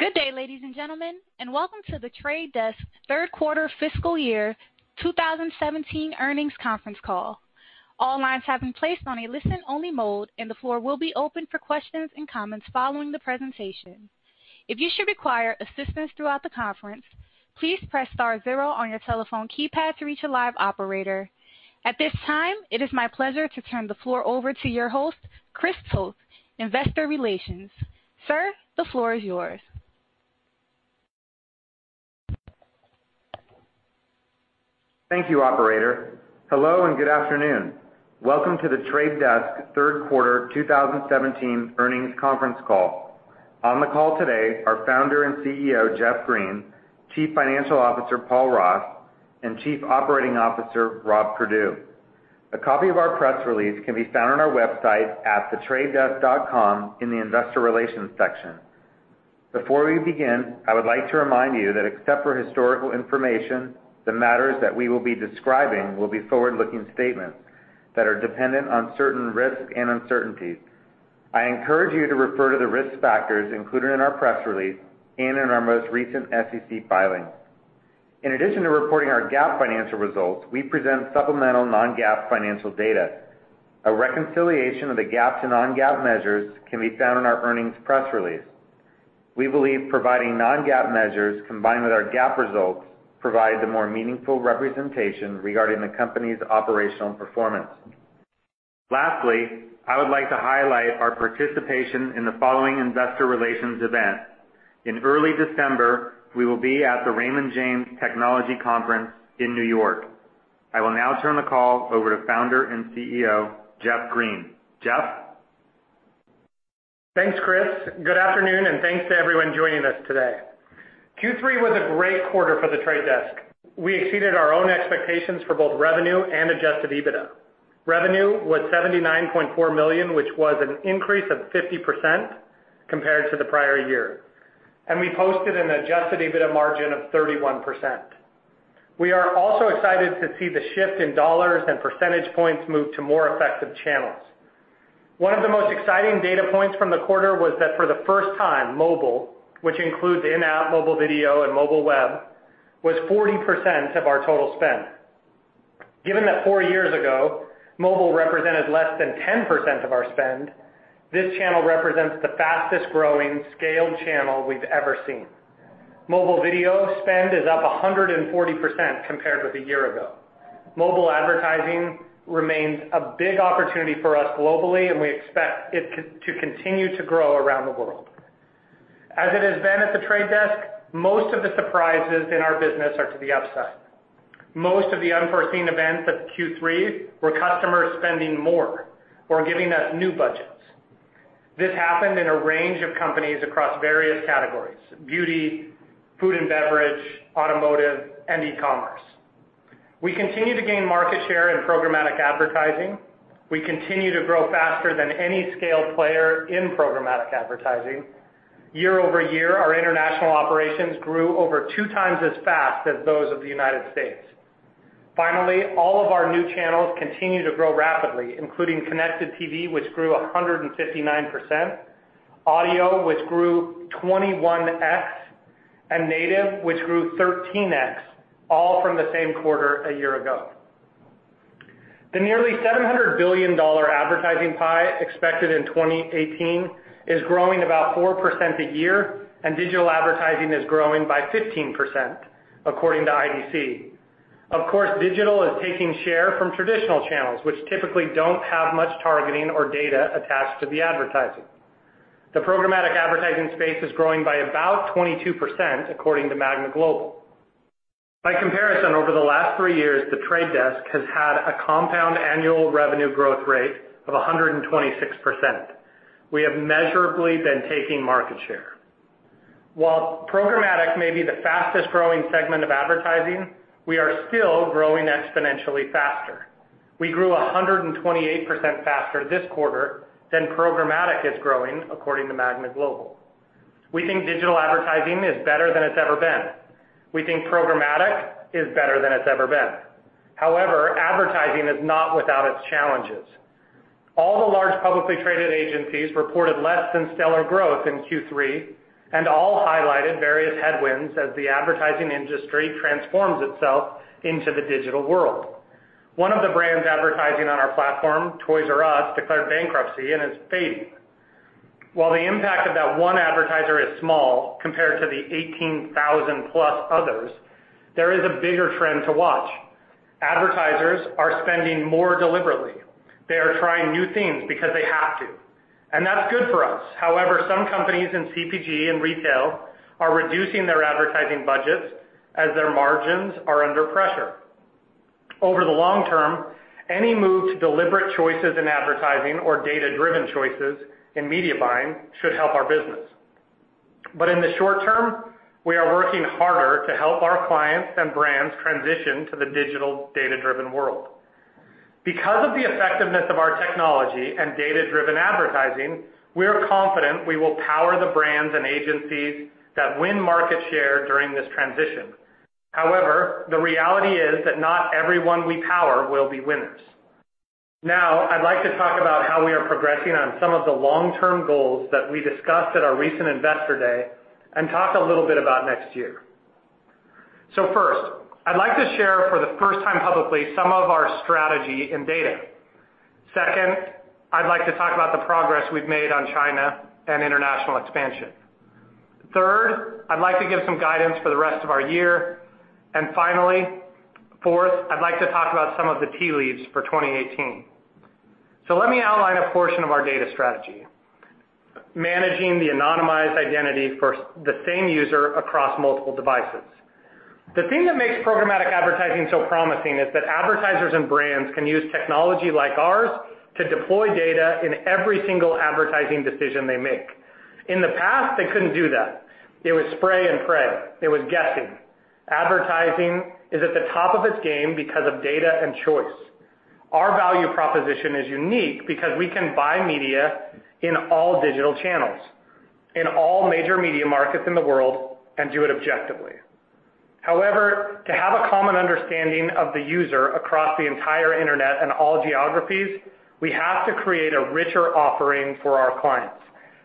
Good day, ladies and gentlemen, welcome to The Trade Desk third quarter fiscal year 2017 earnings conference call. All lines have been placed on a listen-only mode, the floor will be open for questions and comments following the presentation. If you should require assistance throughout the conference, please press star zero on your telephone keypad to reach a live operator. At this time, it is my pleasure to turn the floor over to your host, Chris Toth, Investor Relations. Sir, the floor is yours. Thank you, operator. Hello, good afternoon. Welcome to The Trade Desk third quarter 2017 earnings conference call. On the call today are Founder and CEO, Jeff Green, Chief Financial Officer, Paul Ross, and Chief Operating Officer, Rob Perdue. A copy of our press release can be found on our website at thetradedesk.com in the investor relations section. Before we begin, I would like to remind you that except for historical information, the matters that we will be describing will be forward-looking statements that are dependent on certain risks and uncertainties. I encourage you to refer to the risk factors included in our press release and in our most recent SEC filings. In addition to reporting our GAAP financial results, we present supplemental non-GAAP financial data. A reconciliation of the GAAP to non-GAAP measures can be found in our earnings press release. We believe providing non-GAAP measures combined with our GAAP results provide the more meaningful representation regarding the company's operational performance. Lastly, I would like to highlight our participation in the following investor relations event. In early December, we will be at the Raymond James Technology Conference in New York. I will now turn the call over to Founder and CEO, Jeff Green. Jeff? Thanks, Chris. Good afternoon, thanks to everyone joining us today. Q3 was a great quarter for The Trade Desk. We exceeded our own expectations for both revenue and adjusted EBITDA. Revenue was $79.4 million, which was an increase of 50% compared to the prior year, we posted an adjusted EBITDA margin of 31%. We are also excited to see the shift in dollars and percentage points move to more effective channels. One of the most exciting data points from the quarter was that for the first time, mobile, which includes in-app mobile video and mobile web, was 40% of our total spend. Given that four years ago, mobile represented less than 10% of our spend, this channel represents the fastest-growing scaled channel we've ever seen. Mobile video spend is up 140% compared with a year ago. Mobile advertising remains a big opportunity for us globally. We expect it to continue to grow around the world. As it has been at The Trade Desk, most of the surprises in our business are to the upside. Most of the unforeseen events of Q3 were customers spending more or giving us new budgets. This happened in a range of companies across various categories, beauty, food and beverage, automotive, and e-commerce. We continue to gain market share in programmatic advertising. We continue to grow faster than any scaled player in programmatic advertising. Year-over-year, our international operations grew over two times as fast as those of the U.S. Finally, all of our new channels continue to grow rapidly, including connected TV, which grew 159%, audio, which grew 21x, and native, which grew 13x, all from the same quarter a year ago. The nearly $700 billion advertising pie expected in 2018 is growing about 4% a year. Digital advertising is growing by 15%, according to IDC. Of course, digital is taking share from traditional channels, which typically don't have much targeting or data attached to the advertising. The programmatic advertising space is growing by about 22%, according to Magna Global. By comparison, over the last three years, The Trade Desk has had a compound annual revenue growth rate of 126%. We have measurably been taking market share. While programmatic may be the fastest-growing segment of advertising, we are still growing exponentially faster. We grew 128% faster this quarter than programmatic is growing, according to Magna Global. We think digital advertising is better than it's ever been. We think programmatic is better than it's ever been. Advertising is not without its challenges. All the large publicly traded agencies reported less than stellar growth in Q3. All highlighted various headwinds as the advertising industry transforms itself into the digital world. One of the brands advertising on our platform, Toys "R" Us, declared bankruptcy and is fading. While the impact of that one advertiser is small compared to the 18,000-plus others, there is a bigger trend to watch. Advertisers are spending more deliberately. They are trying new things because they have to. That's good for us. Some companies in CPG and retail are reducing their advertising budgets as their margins are under pressure. Over the long term, any move to deliberate choices in advertising or data-driven choices in media buying should help our business. In the short term, we are working harder to help our clients and brands transition to the digital data-driven world. Because of the effectiveness of our technology and data-driven advertising, we are confident we will power the brands and agencies that win market share during this transition. The reality is that not everyone we power will be winners. I'd like to talk about how we are progressing on some of the long-term goals that we discussed at our recent Investor Day. Talk a little bit about next year. First, I'd like to share for the first time publicly some of our strategy in data. Second, I'd like to talk about the progress we've made on China and international expansion. Third, I'd like to give some guidance for the rest of our year. Finally, fourth, I'd like to talk about some of the tea leaves for 2018. Let me outline a portion of our data strategy. Managing the anonymized identity for the same user across multiple devices. The thing that makes programmatic advertising so promising is that advertisers and brands can use technology like ours to deploy data in every single advertising decision they make. In the past, they couldn't do that. It was spray and pray. It was guessing. Advertising is at the top of its game because of data and choice. Our value proposition is unique because we can buy media in all digital channels, in all major media markets in the world, and do it objectively. To have a common understanding of the user across the entire internet and all geographies, we have to create a richer offering for our clients.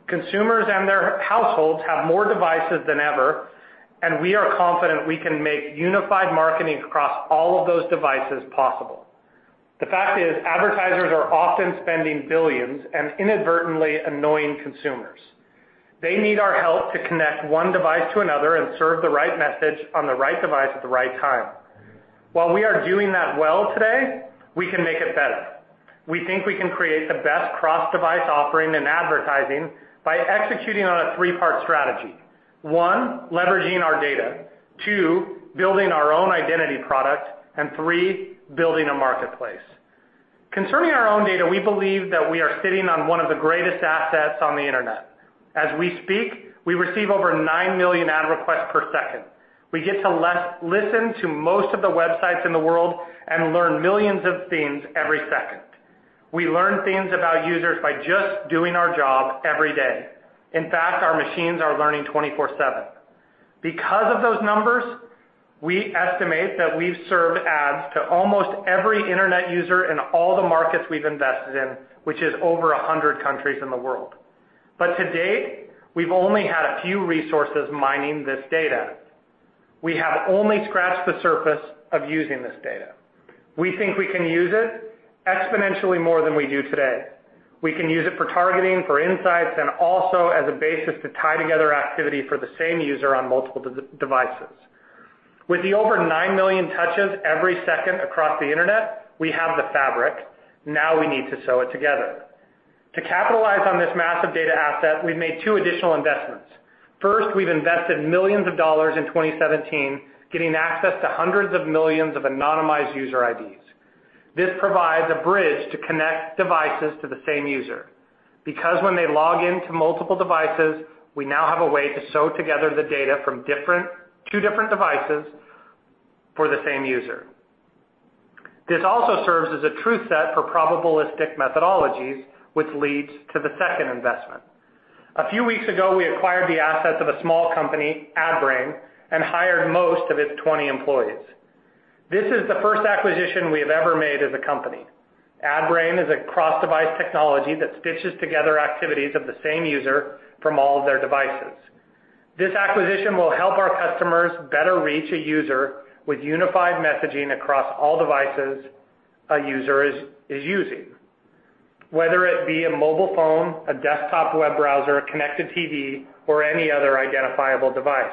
Consumers and their households have more devices than ever, and we are confident we can make unified marketing across all of those devices possible. The fact is, advertisers are often spending billions and inadvertently annoying consumers. They need our help to connect one device to another and serve the right message on the right device at the right time. While we are doing that well today, we can make it better. We think we can create the best cross-device offering in advertising by executing on a three-part strategy. One, leveraging our data. Two, building our own identity product, and three, building a marketplace. Concerning our own data, we believe that we are sitting on one of the greatest assets on the internet. As we speak, we receive over 9 million ad requests per second. We get to listen to most of the websites in the world and learn millions of things every second. We learn things about users by just doing our job every day. In fact, our machines are learning 24/7. Of those numbers, we estimate that we've served ads to almost every internet user in all the markets we've invested in, which is over 100 countries in the world. To date, we've only had a few resources mining this data. We have only scratched the surface of using this data. We think we can use it exponentially more than we do today. We can use it for targeting, for insights, and also as a basis to tie together activity for the same user on multiple devices. With the over 9 million touches every second across the internet, we have the fabric. Now we need to sew it together. To capitalize on this massive data asset, we've made two additional investments. First, we've invested $ millions in 2017 getting access to hundreds of millions of anonymized user IDs. This provides a bridge to connect devices to the same user, because when they log in to multiple devices, we now have a way to sew together the data from two different devices for the same user. This also serves as a true set for probabilistic methodologies, which leads to the second investment. A few weeks ago, we acquired the assets of a small company, Adbrain, and hired most of its 20 employees. This is the first acquisition we have ever made as a company. Adbrain is a cross-device technology that stitches together activities of the same user from all of their devices. This acquisition will help our customers better reach a user with unified messaging across all devices a user is using, whether it be a mobile phone, a desktop web browser, a connected TV, or any other identifiable device.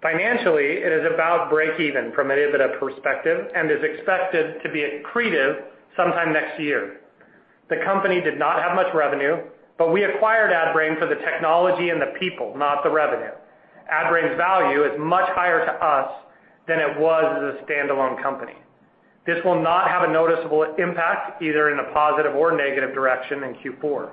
Financially, it is about break-even from an EBITDA perspective and is expected to be accretive sometime next year. The company did not have much revenue. We acquired Adbrain for the technology and the people, not the revenue. Adbrain's value is much higher to us than it was as a standalone company. This will not have a noticeable impact either in a positive or negative direction in Q4.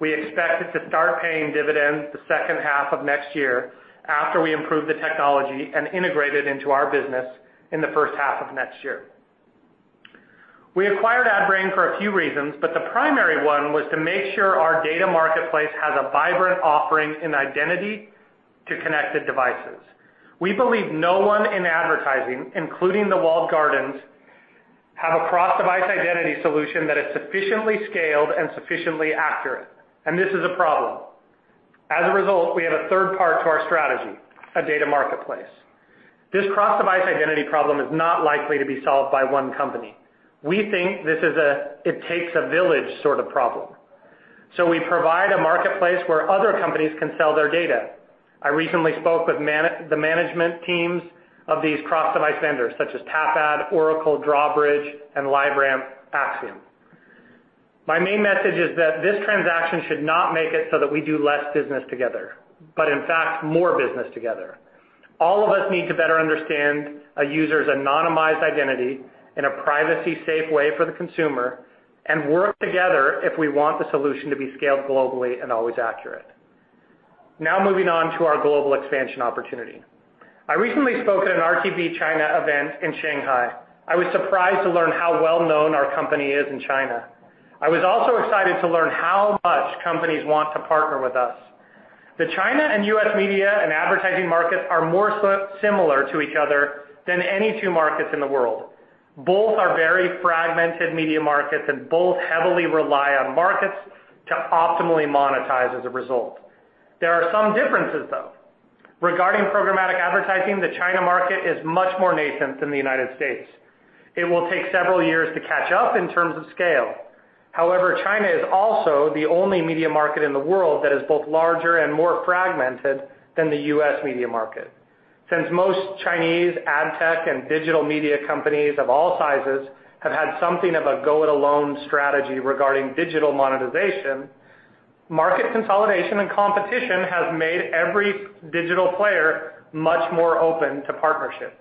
We expect it to start paying dividends the second half of next year after we improve the technology and integrate it into our business in the first half of next year. We acquired Adbrain for a few reasons. The primary one was to make sure our data marketplace has a vibrant offering in identity to connected devices. We believe no one in advertising, including the walled gardens, have a cross-device identity solution that is sufficiently scaled and sufficiently accurate. This is a problem. As a result, we have a third part to our strategy, a data marketplace. This cross-device identity problem is not likely to be solved by one company. We think this is a it-takes-a-village sort of problem. We provide a marketplace where other companies can sell their data. I recently spoke with the management teams of these cross-device vendors such as Tapad, Oracle, Drawbridge, and LiveRamp, Acxiom. My main message is that this transaction should not make it so that we do less business together. In fact, more business together. All of us need to better understand a user's anonymized identity in a privacy-safe way for the consumer and work together if we want the solution to be scaled globally and always accurate. Moving on to our global expansion opportunity. I recently spoke at an RTB China event in Shanghai. I was surprised to learn how well-known our company is in China. I was also excited to learn how much companies want to partner with us. The China and U.S. media and advertising markets are more similar to each other than any two markets in the world. Both are very fragmented media markets. Both heavily rely on markets to optimally monetize as a result. There are some differences, though. Regarding programmatic advertising, the China market is much more nascent than the United States. It will take several years to catch up in terms of scale. China is also the only media market in the world that is both larger and more fragmented than the U.S. media market. Since most Chinese ad tech and digital media companies of all sizes have had something of a go-it-alone strategy regarding digital monetization, market consolidation and competition has made every digital player much more open to partnership.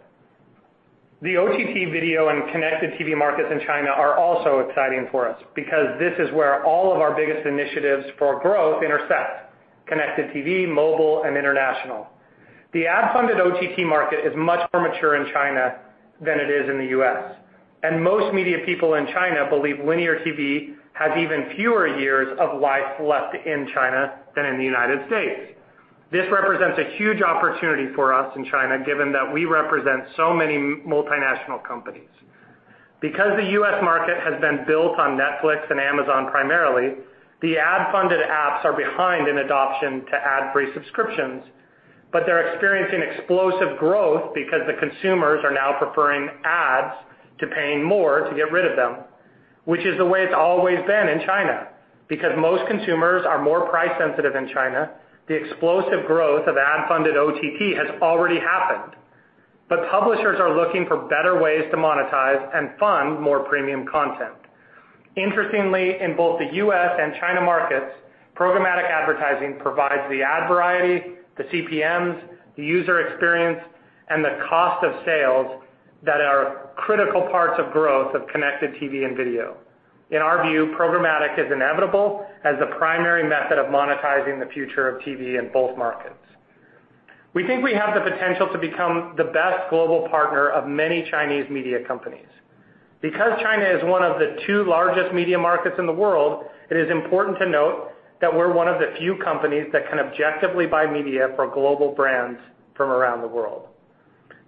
The OTT video and connected TV markets in China are also exciting for us because this is where all of our biggest initiatives for growth intersect: connected TV, mobile, and international. The ad-funded OTT market is much more mature in China than it is in the U.S. Most media people in China believe linear TV has even fewer years of life left in China than in the United States. This represents a huge opportunity for us in China, given that we represent so many multinational companies. Because the U.S. market has been built on Netflix and Amazon primarily, the ad-funded apps are behind in adoption to ad-free subscriptions, but they're experiencing explosive growth because the consumers are now preferring ads to paying more to get rid of them, which is the way it's always been in China. Because most consumers are more price-sensitive in China, the explosive growth of ad-funded OTT has already happened, but publishers are looking for better ways to monetize and fund more premium content. Interestingly, in both the U.S. and China markets, programmatic advertising provides the ad variety, the CPMs, the user experience, and the cost of sales that are critical parts of growth of connected TV and video. In our view, programmatic is inevitable as the primary method of monetizing the future of TV in both markets. We think we have the potential to become the best global partner of many Chinese media companies. Because China is one of the two largest media markets in the world, it is important to note that we're one of the few companies that can objectively buy media for global brands from around the world.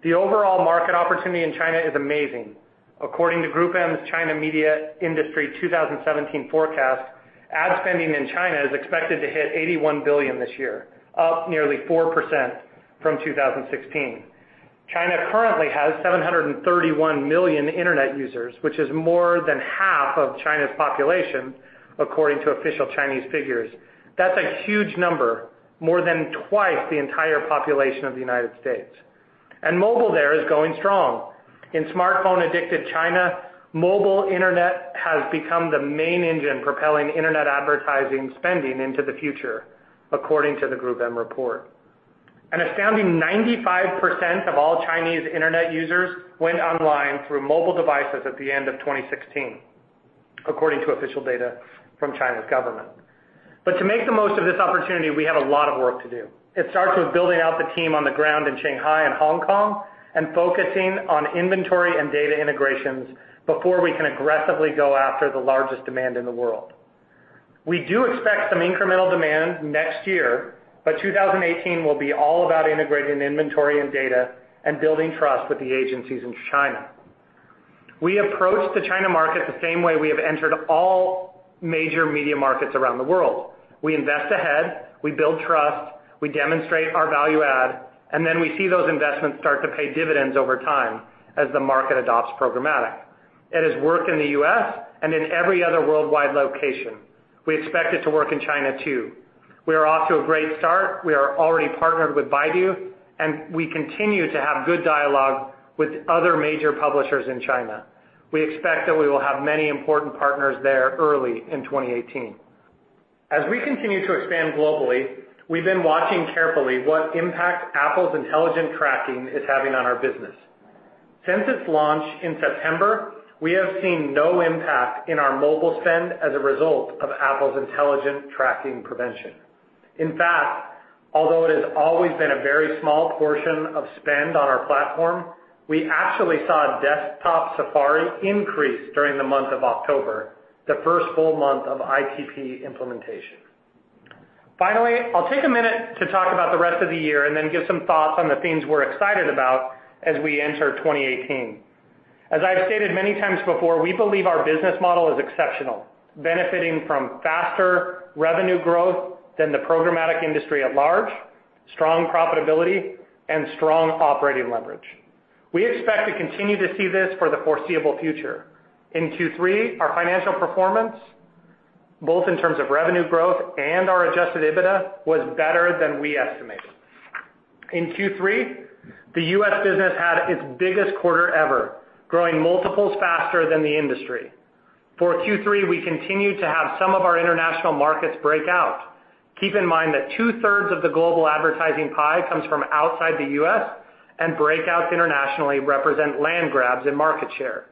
The overall market opportunity in China is amazing. According to GroupM's China Media Industry 2017 forecast, ad spending in China is expected to hit $81 billion this year, up nearly 4% from 2016. China currently has 731 million internet users, which is more than half of China's population, according to official Chinese figures. That's a huge number, more than twice the entire population of the United States. Mobile there is going strong. In smartphone-addicted China, mobile internet has become the main engine propelling internet advertising spending into the future, according to the GroupM report. An astounding 95% of all Chinese internet users went online through mobile devices at the end of 2016, according to official data from China's government. To make the most of this opportunity, we have a lot of work to do. It starts with building out the team on the ground in Shanghai and Hong Kong and focusing on inventory and data integrations before we can aggressively go after the largest demand in the world. We do expect some incremental demand next year, but 2018 will be all about integrating inventory and data and building trust with the agencies in China. We approach the China market the same way we have entered all major media markets around the world. We invest ahead, we build trust, we demonstrate our value add. Then we see those investments start to pay dividends over time as the market adopts programmatic. It has worked in the U.S. and in every other worldwide location. We expect it to work in China, too. We are off to a great start. We are already partnered with Baidu, and we continue to have good dialogue with other major publishers in China. We expect that we will have many important partners there early in 2018. As we continue to expand globally, we've been watching carefully what impact Apple's intelligent tracking is having on our business. Since its launch in September, we have seen no impact in our mobile spend as a result of Apple's intelligent tracking prevention. In fact, although it has always been a very small portion of spend on our platform, we actually saw desktop Safari increase during the month of October, the first full month of ITP implementation. Finally, I'll take a minute to talk about the rest of the year and then give some thoughts on the things we're excited about as we enter 2018. As I've stated many times before, we believe our business model is exceptional, benefiting from faster revenue growth than the programmatic industry at large, strong profitability, and strong operating leverage. We expect to continue to see this for the foreseeable future. In Q3, our financial performance, both in terms of revenue growth and our adjusted EBITDA, was better than we estimated. In Q3, the U.S. business had its biggest quarter ever, growing multiples faster than the industry. For Q3, we continued to have some of our international markets break out. Keep in mind that two-thirds of the global advertising pie comes from outside the U.S., and breakouts internationally represent land grabs and market share.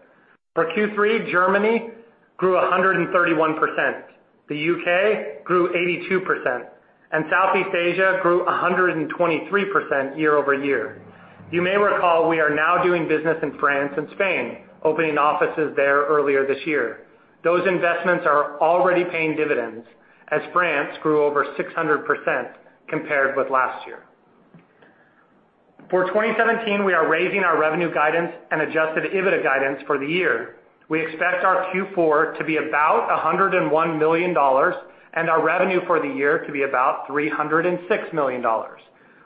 For Q3, Germany grew 131%, the U.K. grew 82%, and Southeast Asia grew 123% year-over-year. You may recall we are now doing business in France and Spain, opening offices there earlier this year. Those investments are already paying dividends as France grew over 600% compared with last year. For 2017, we are raising our revenue guidance and adjusted EBITDA guidance for the year. We expect our Q4 to be about $101 million, and our revenue for the year to be about $306 million.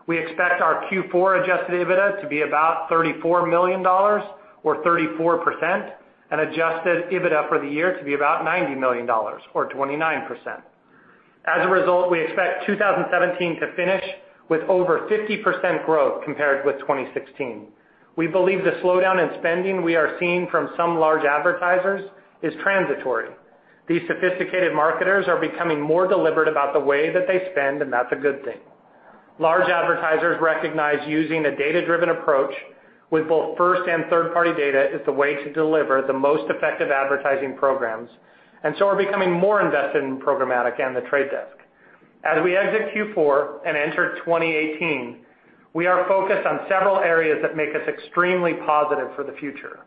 We expect our Q4 adjusted EBITDA to be about $34 million or 34%, and adjusted EBITDA for the year to be about $90 million or 29%. As a result, we expect 2017 to finish with over 50% growth compared with 2016. We believe the slowdown in spending we are seeing from some large advertisers is transitory. These sophisticated marketers are becoming more deliberate about the way that they spend, and that's a good thing. Large advertisers recognize using a data-driven approach with both first and third-party data is the way to deliver the most effective advertising programs, so are becoming more invested in programmatic and The Trade Desk. As we exit Q4 and enter 2018, we are focused on several areas that make us extremely positive for the future.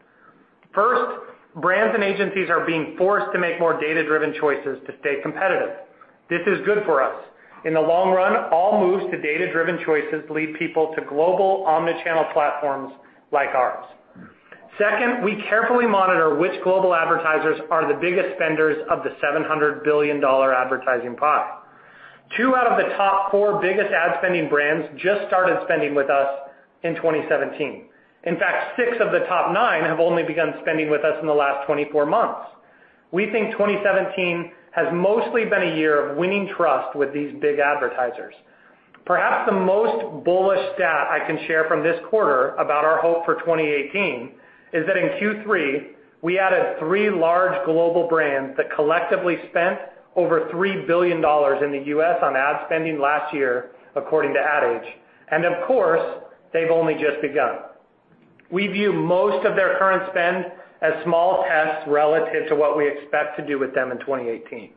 First, brands and agencies are being forced to make more data-driven choices to stay competitive. This is good for us. In the long run, all moves to data-driven choices lead people to global omni-channel platforms like ours. Second, we carefully monitor which global advertisers are the biggest spenders of the $700 billion advertising pie. Two out of the top four biggest ad spending brands just started spending with us in 2017. In fact, six of the top nine have only begun spending with us in the last 24 months. We think 2017 has mostly been a year of winning trust with these big advertisers. Perhaps the most bullish stat I can share from this quarter about our hope for 2018 is that in Q3, we added three large global brands that collectively spent over $3 billion in the U.S. on ad spending last year, according to Ad Age. Of course, they've only just begun. We view most of their current spend as small tests relative to what we expect to do with them in 2018.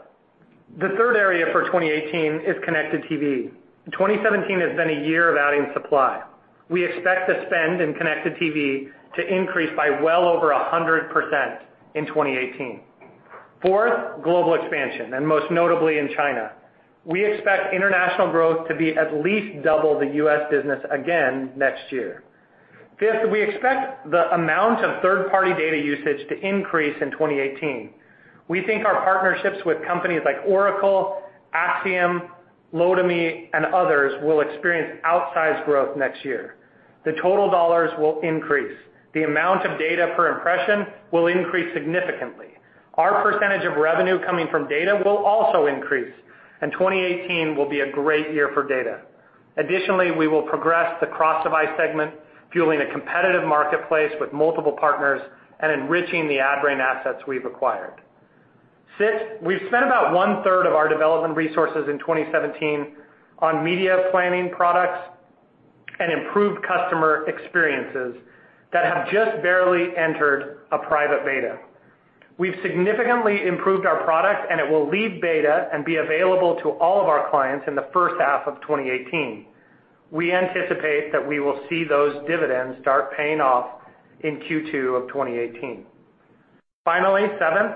The third area for 2018 is connected TV. 2017 has been a year of adding supply. We expect the spend in connected TV to increase by well over 100% in 2018. Fourth, global expansion, most notably in China. We expect international growth to be at least double the U.S. business again next year. Fifth, we expect the amount of third-party data usage to increase in 2018. We think our partnerships with companies like Oracle, Acxiom, Lotame, and others will experience outsized growth next year. The total dollars will increase. The amount of data per impression will increase significantly. Our percentage of revenue coming from data will also increase, and 2018 will be a great year for data. Additionally, we will progress the cross-device segment, fueling a competitive marketplace with multiple partners and enriching the Adbrain assets we've acquired. Six, we've spent about one-third of our development resources in 2017 on media planning products and improved customer experiences that have just barely entered a private beta. We've significantly improved our product, and it will leave beta and be available to all of our clients in the first half of 2018. We anticipate that we will see those dividends start paying off in Q2 of 2018. Finally, seven,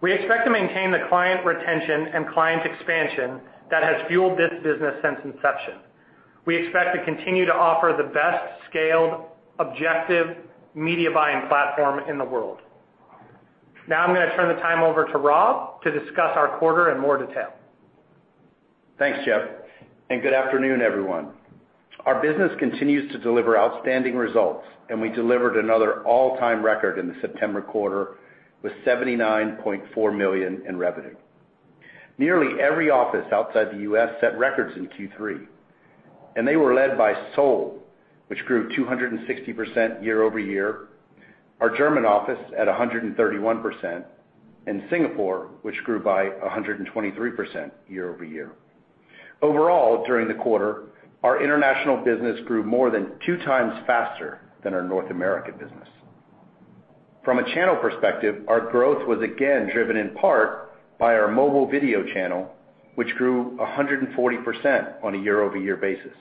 we expect to maintain the client retention and client expansion that has fueled this business since inception. We expect to continue to offer the best scaled, objective media buying platform in the world. Now I'm going to turn the time over to Rob to discuss our quarter in more detail. Thanks, Jeff, and good afternoon, everyone. Our business continues to deliver outstanding results, and we delivered another all-time record in the September quarter with $79.4 million in revenue. Nearly every office outside the U.S. set records in Q3, and they were led by Seoul, which grew 260% year-over-year, our German office at 131%, and Singapore, which grew by 123% year-over-year. Overall, during the quarter, our international business grew more than two times faster than our North American business. From a channel perspective, our growth was again driven in part by our mobile video channel, which grew 140% on a year-over-year basis,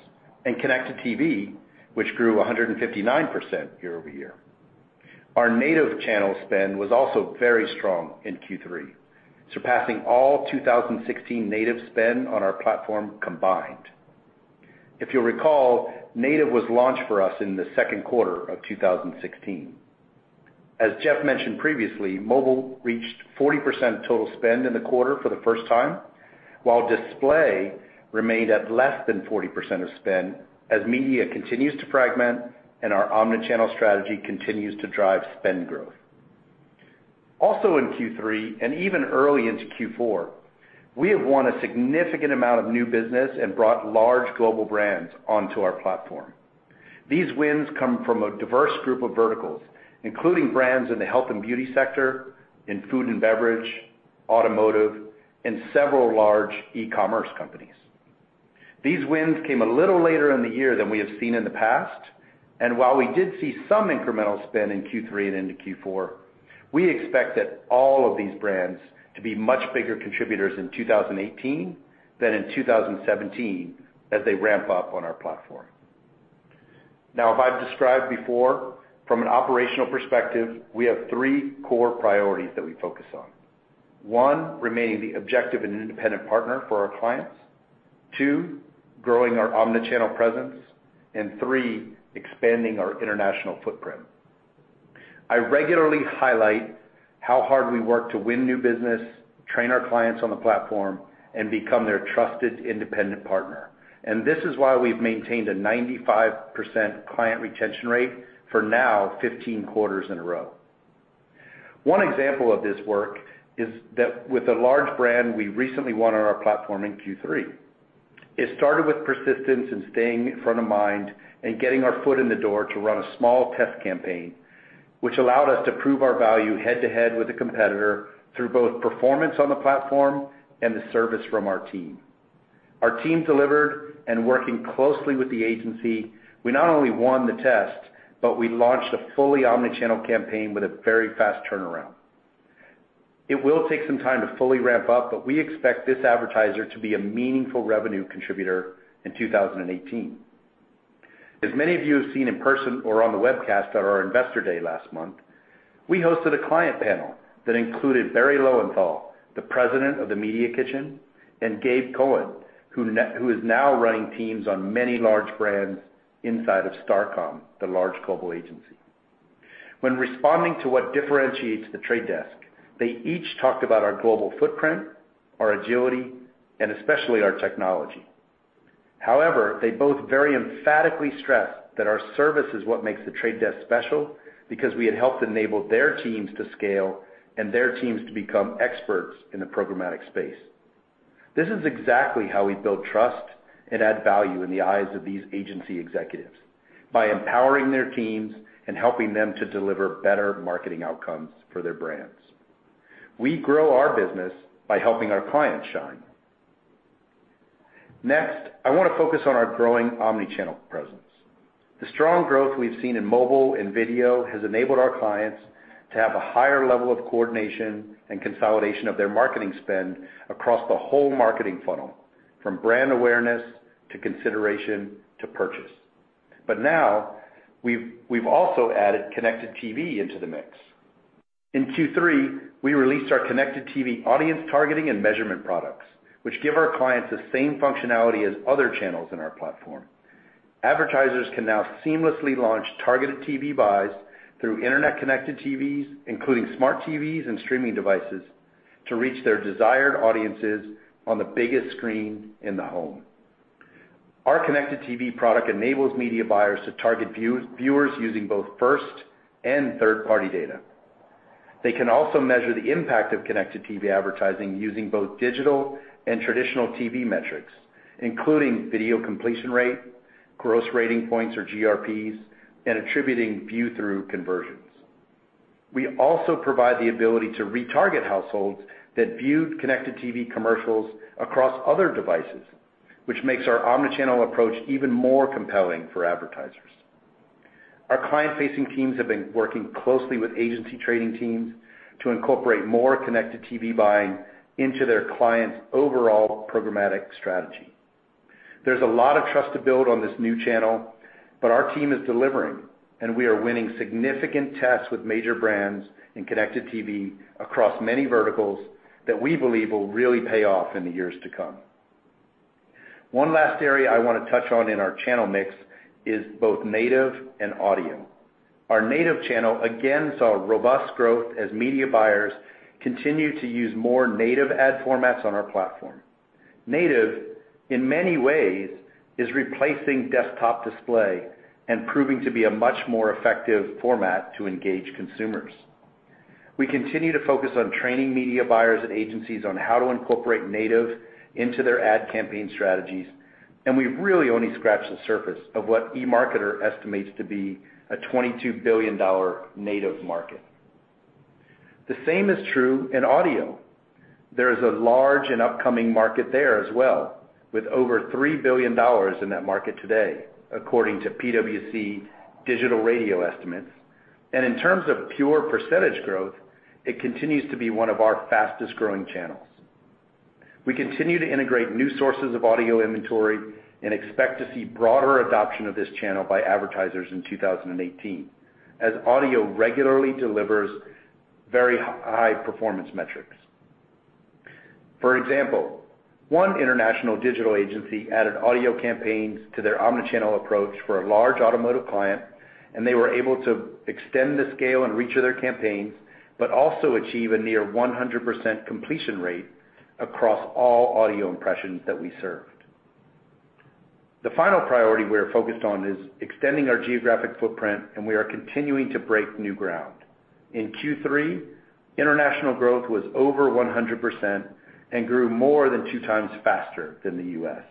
and connected TV, which grew 159% year-over-year. Our native channel spend was also very strong in Q3, surpassing all 2016 native spend on our platform combined. If you'll recall, native was launched for us in the second quarter of 2016. As Jeff mentioned previously, mobile reached 40% total spend in the quarter for the first time, while display remained at less than 40% of spend as media continues to fragment and our omni-channel strategy continues to drive spend growth. Also in Q3 and even early into Q4, we have won a significant amount of new business and brought large global brands onto our platform. These wins come from a diverse group of verticals, including brands in the health and beauty sector, in food and beverage, automotive, and several large e-commerce companies. These wins came a little later in the year than we have seen in the past, and while we did see some incremental spend in Q3 and into Q4, we expect that all of these brands to be much bigger contributors in 2018 than in 2017 as they ramp up on our platform. As I've described before, from an operational perspective, we have three core priorities that we focus on. One, remaining the objective and independent partner for our clients. Two, growing our omnichannel presence. Three, expanding our international footprint. I regularly highlight how hard we work to win new business, train our clients on the platform, and become their trusted independent partner. This is why we've maintained a 95% client retention rate for now 15 quarters in a row. One example of this work is that with a large brand we recently won on our platform in Q3. It started with persistence and staying front of mind and getting our foot in the door to run a small test campaign, which allowed us to prove our value head-to-head with a competitor through both performance on the platform and the service from our team. Our team delivered, and working closely with the agency, we not only won the test, but we launched a fully omnichannel campaign with a very fast turnaround. It will take some time to fully ramp up, but we expect this advertiser to be a meaningful revenue contributor in 2018. As many of you have seen in person or on the webcast at our investor day last month, we hosted a client panel that included Barry Lowenthal, the president of The Media Kitchen, and Gabe Cohen, who is now running teams on many large brands inside of Starcom, the large global agency. When responding to what differentiates The Trade Desk, they each talked about our global footprint, our agility, and especially our technology. However, they both very emphatically stressed that our service is what makes The Trade Desk special because we had helped enable their teams to scale and their teams to become experts in the programmatic space. This is exactly how we build trust and add value in the eyes of these agency executives, by empowering their teams and helping them to deliver better marketing outcomes for their brands. We grow our business by helping our clients shine. Next, I want to focus on our growing omnichannel presence. The strong growth we've seen in mobile and video has enabled our clients to have a higher level of coordination and consolidation of their marketing spend across the whole marketing funnel, from brand awareness to consideration to purchase. Now we've also added connected TV into the mix. In Q3, we released our connected TV audience targeting and measurement products, which give our clients the same functionality as other channels in our platform. Advertisers can now seamlessly launch targeted TV buys through internet-connected TVs, including smart TVs and streaming devices, to reach their desired audiences on the biggest screen in the home. Our connected TV product enables media buyers to target viewers using both first and third-party data. They can also measure the impact of connected TV advertising using both digital and traditional TV metrics, including video completion rate, gross rating points or GRPs, and attributing view-through conversions. We also provide the ability to retarget households that viewed connected TV commercials across other devices, which makes our omnichannel approach even more compelling for advertisers. Our client-facing teams have been working closely with agency trading teams to incorporate more connected TV buying into their clients' overall programmatic strategy. There's a lot of trust to build on this new channel, but our team is delivering, and we are winning significant tests with major brands in connected TV across many verticals that we believe will really pay off in the years to come. One last area I want to touch on in our channel mix is both native and audio. Our native channel again saw robust growth as media buyers continue to use more native ad formats on our platform. Native, in many ways, is replacing desktop display and proving to be a much more effective format to engage consumers. We continue to focus on training media buyers and agencies on how to incorporate native into their ad campaign strategies, and we've really only scratched the surface of what eMarketer estimates to be a $22 billion native market. The same is true in audio. There is a large and upcoming market there as well, with over $3 billion in that market today, according to PwC digital radio estimates. In terms of pure percentage growth, it continues to be one of our fastest-growing channels. We continue to integrate new sources of audio inventory and expect to see broader adoption of this channel by advertisers in 2018, as audio regularly delivers very high performance metrics. For example, one international digital agency added audio campaigns to their omnichannel approach for a large automotive client, and they were able to extend the scale and reach of their campaigns, but also achieve a near 100% completion rate across all audio impressions that we served. The final priority we are focused on is extending our geographic footprint, and we are continuing to break new ground. In Q3, international growth was over 100% and grew more than two times faster than the U.S.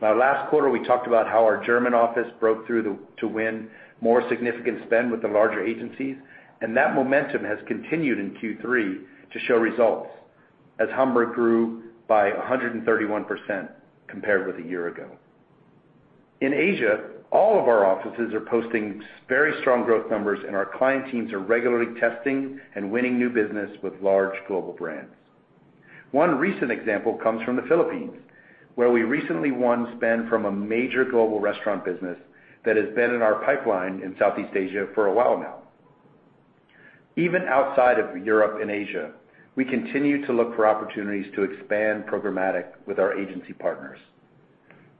Last quarter, we talked about how our German office broke through to win more significant spend with the larger agencies, and that momentum has continued in Q3 to show results as Hamburg grew by 131% compared with a year ago. In Asia, all of our offices are posting very strong growth numbers, and our client teams are regularly testing and winning new business with large global brands. One recent example comes from the Philippines, where we recently won spend from a major global restaurant business that has been in our pipeline in Southeast Asia for a while now. Even outside of Europe and Asia, we continue to look for opportunities to expand programmatic with our agency partners.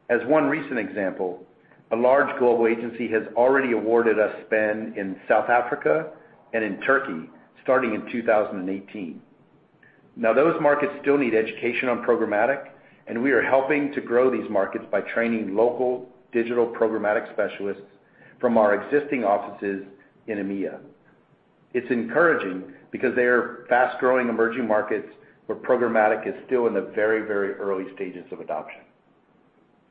As one recent example, a large global agency has already awarded us spend in South Africa and in Turkey starting in 2018. Those markets still need education on programmatic, and we are helping to grow these markets by training local digital programmatic specialists from our existing offices in EMEA. It's encouraging because they are fast-growing emerging markets where programmatic is still in the very early stages of adoption.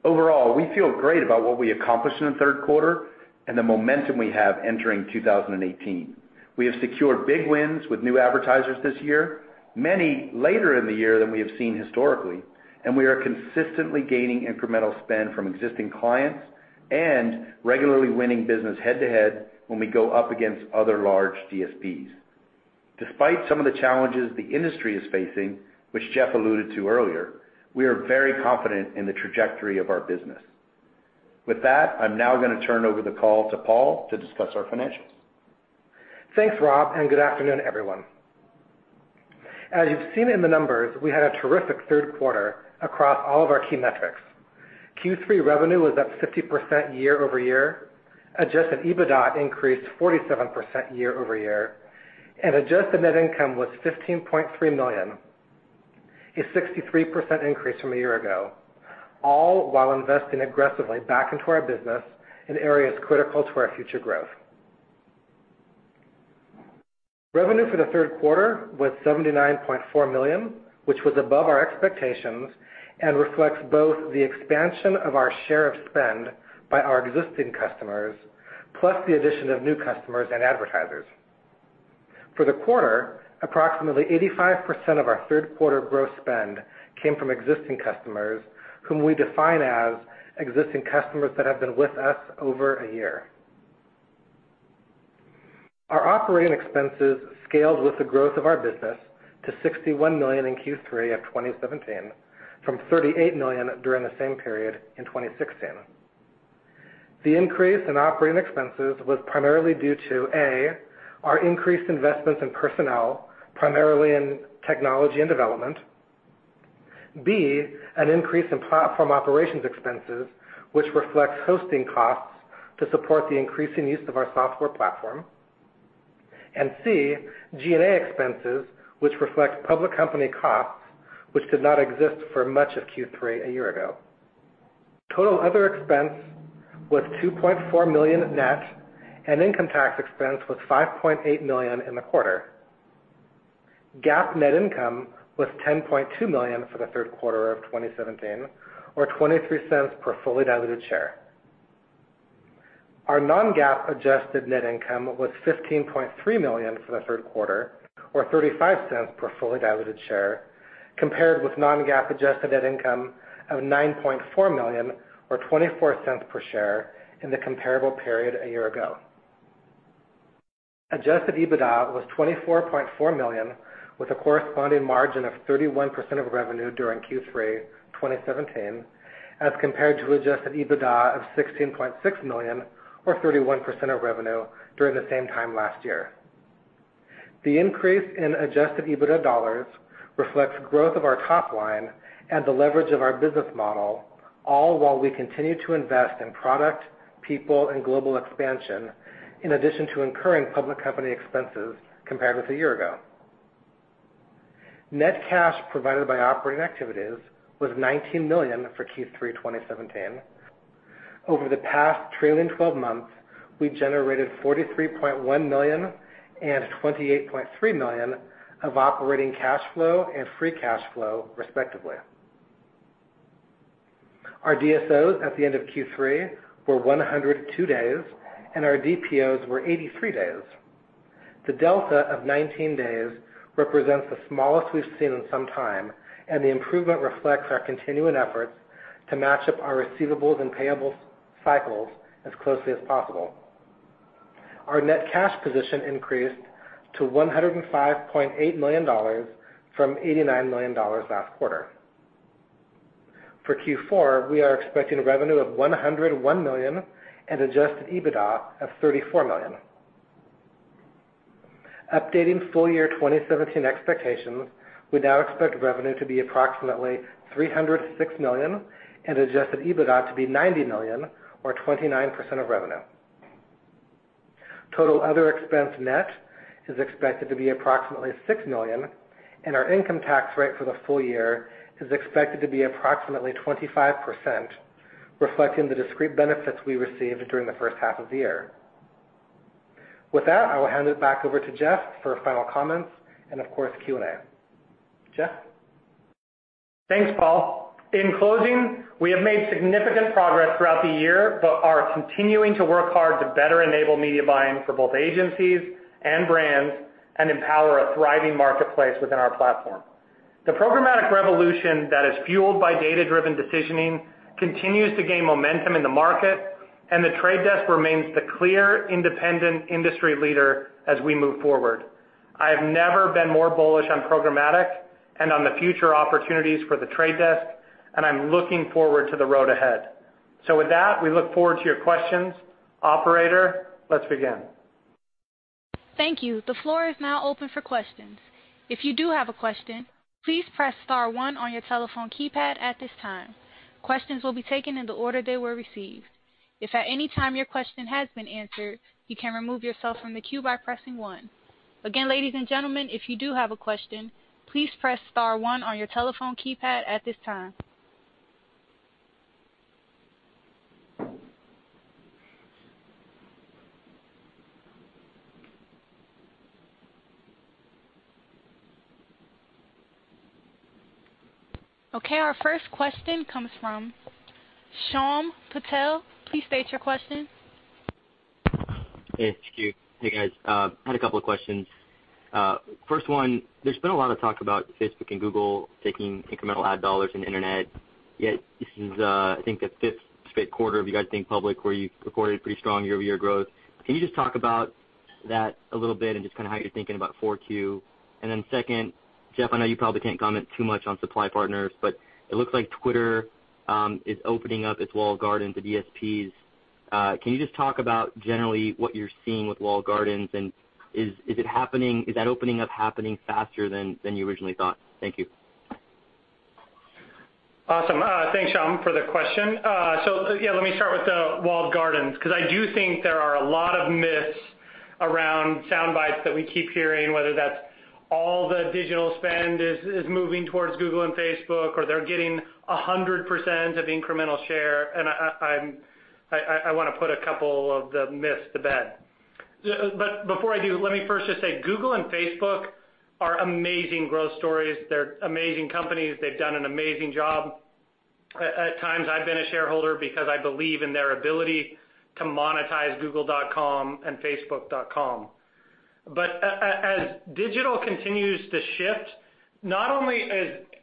Overall, we feel great about what we accomplished in the third quarter and the momentum we have entering 2018. We have secured big wins with new advertisers this year, many later in the year than we have seen historically, and we are consistently gaining incremental spend from existing clients and regularly winning business head-to-head when we go up against other large DSPs. Despite some of the challenges the industry is facing, which Jeff Green alluded to earlier, we are very confident in the trajectory of our business. With that, I'm now going to turn over the call to Paul Ross to discuss our financials. Thanks, Rob Perdue, and good afternoon, everyone. As you've seen in the numbers, we had a terrific third quarter across all of our key metrics. Q3 revenue was up 50% year-over-year, adjusted EBITDA increased 47% year-over-year, and adjusted net income was $15.3 million, a 63% increase from a year ago, all while investing aggressively back into our business in areas critical to our future growth. Revenue for the third quarter was $79.4 million, which was above our expectations and reflects both the expansion of our share of spend by our existing customers, plus the addition of new customers and advertisers. For the quarter, approximately 85% of our third quarter gross spend came from existing customers, whom we define as existing customers that have been with us for over a year. Our operating expenses scaled with the growth of our business to $61 million in Q3 of 2017 from $38 million during the same period in 2016. The increase in operating expenses was primarily due to, A, our increased investments in personnel, primarily in technology and development, B, an increase in platform operations expenses, which reflects hosting costs to support the increasing use of our software platform, and C, G&A expenses, which reflects public company costs, which did not exist for much of Q3 a year ago. Total other expense was $2.4 million net, and income tax expense was $5.8 million in the quarter. GAAP net income was $10.2 million for the third quarter of 2017, or $0.23 per fully diluted share. Our non-GAAP adjusted net income was $15.3 million for the third quarter, or $0.35 per fully diluted share, compared with non-GAAP adjusted net income of $9.4 million or $0.24 per share in the comparable period a year ago. Adjusted EBITDA was $24.4 million, with a corresponding margin of 31% of revenue during Q3 2017 as compared to adjusted EBITDA of $16.6 million or 31% of revenue during the same time last year. The increase in adjusted EBITDA dollars reflects growth of our top line and the leverage of our business model, all while we continue to invest in product, people, and global expansion, in addition to incurring public company expenses compared with a year ago. Net cash provided by operating activities was $19 million for Q3 2017. Over the past trailing 12 months, we generated $43.1 million and $28.3 million of operating cash flow and free cash flow, respectively. Our DSOs at the end of Q3 were 102 days, and our DPOs were 83 days. The delta of 19 days represents the smallest we've seen in some time, and the improvement reflects our continuing efforts to match up our receivables and payables cycles as closely as possible. Our net cash position increased to $105.8 million from $89 million last quarter. For Q4, we are expecting revenue of $101 million and adjusted EBITDA of $34 million. Updating full year 2017 expectations, we now expect revenue to be approximately $306 million and adjusted EBITDA to be $90 million or 29% of revenue. Total other expense net is expected to be approximately $6 million, and our income tax rate for the full year is expected to be approximately 25%, reflecting the discrete benefits we received during the first half of the year. With that, I will hand it back over to Jeff for final comments and of course, Q&A. Jeff? Thanks, Paul. In closing, we have made significant progress throughout the year but are continuing to work hard to better enable media buying for both agencies and brands and empower a thriving marketplace within our platform. The programmatic revolution that is fueled by data-driven decisioning continues to gain momentum in the market, and The Trade Desk remains the clear independent industry leader as we move forward. I have never been more bullish on programmatic and on the future opportunities for The Trade Desk, and I'm looking forward to the road ahead. With that, we look forward to your questions. Operator, let's begin. Thank you. The floor is now open for questions. If you do have a question, please press star one on your telephone keypad at this time. Questions will be taken in the order they were received. If at any time your question has been answered, you can remove yourself from the queue by pressing one. Again, ladies and gentlemen, if you do have a question, please press star one on your telephone keypad at this time. Okay, our first question comes from Shyam Patil. Please state your question. Yes, sure. Hey, guys. Had a couple of questions. First one, there's been a lot of talk about Facebook and Google taking incremental ad dollars in internet, yet this is, I think, the fifth straight quarter of you guys being public where you've recorded pretty strong year-over-year growth. Can you just talk about that a little bit and just kind of how you're thinking about 4Q? Second, Jeff, I know you probably can't comment too much on supply partners, but it looks like Twitter is opening up its walled garden to DSPs. Can you just talk about generally what you're seeing with walled gardens, and is that opening up happening faster than you originally thought? Thank you. Awesome. Thanks, Shyam, for the question. Yeah, let me start with the walled gardens, because I do think there are a lot of myths around soundbites that we keep hearing, whether that's all the digital spend is moving towards Google and Facebook, or they're getting 100% of incremental share, I want to put a couple of the myths to bed. Before I do, let me first just say Google and Facebook are amazing growth stories. They're amazing companies. They've done an amazing job. At times I've been a shareholder because I believe in their ability to monetize google.com and facebook.com. As digital continues to shift, not only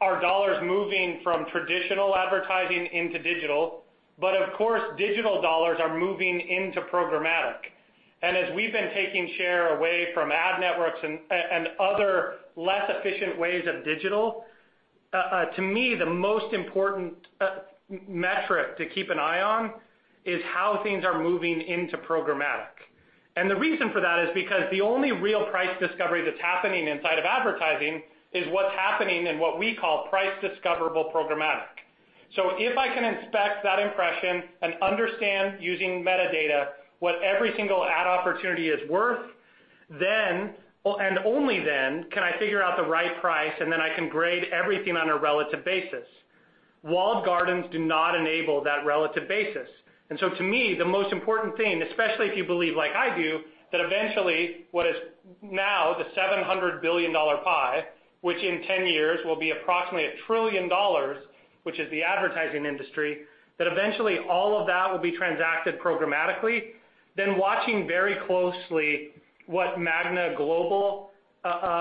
are dollars moving from traditional advertising into digital, but of course, digital dollars are moving into programmatic. As we've been taking share away from ad networks and other less efficient ways of digital, to me, the most important metric to keep an eye on is how things are moving into programmatic. The reason for that is because the only real price discovery that's happening inside of advertising is what's happening in what we call price discoverable programmatic. If I can inspect that impression and understand using metadata what every single ad opportunity is worth, then and only then can I figure out the right price, then I can grade everything on a relative basis. Walled gardens do not enable that relative basis. To me, the most important thing, especially if you believe like I do, that eventually what is now the $700 billion pie, which in 10 years will be approximately $1 trillion, which is the advertising industry, that eventually all of that will be transacted programmatically, then watching very closely what Magna Global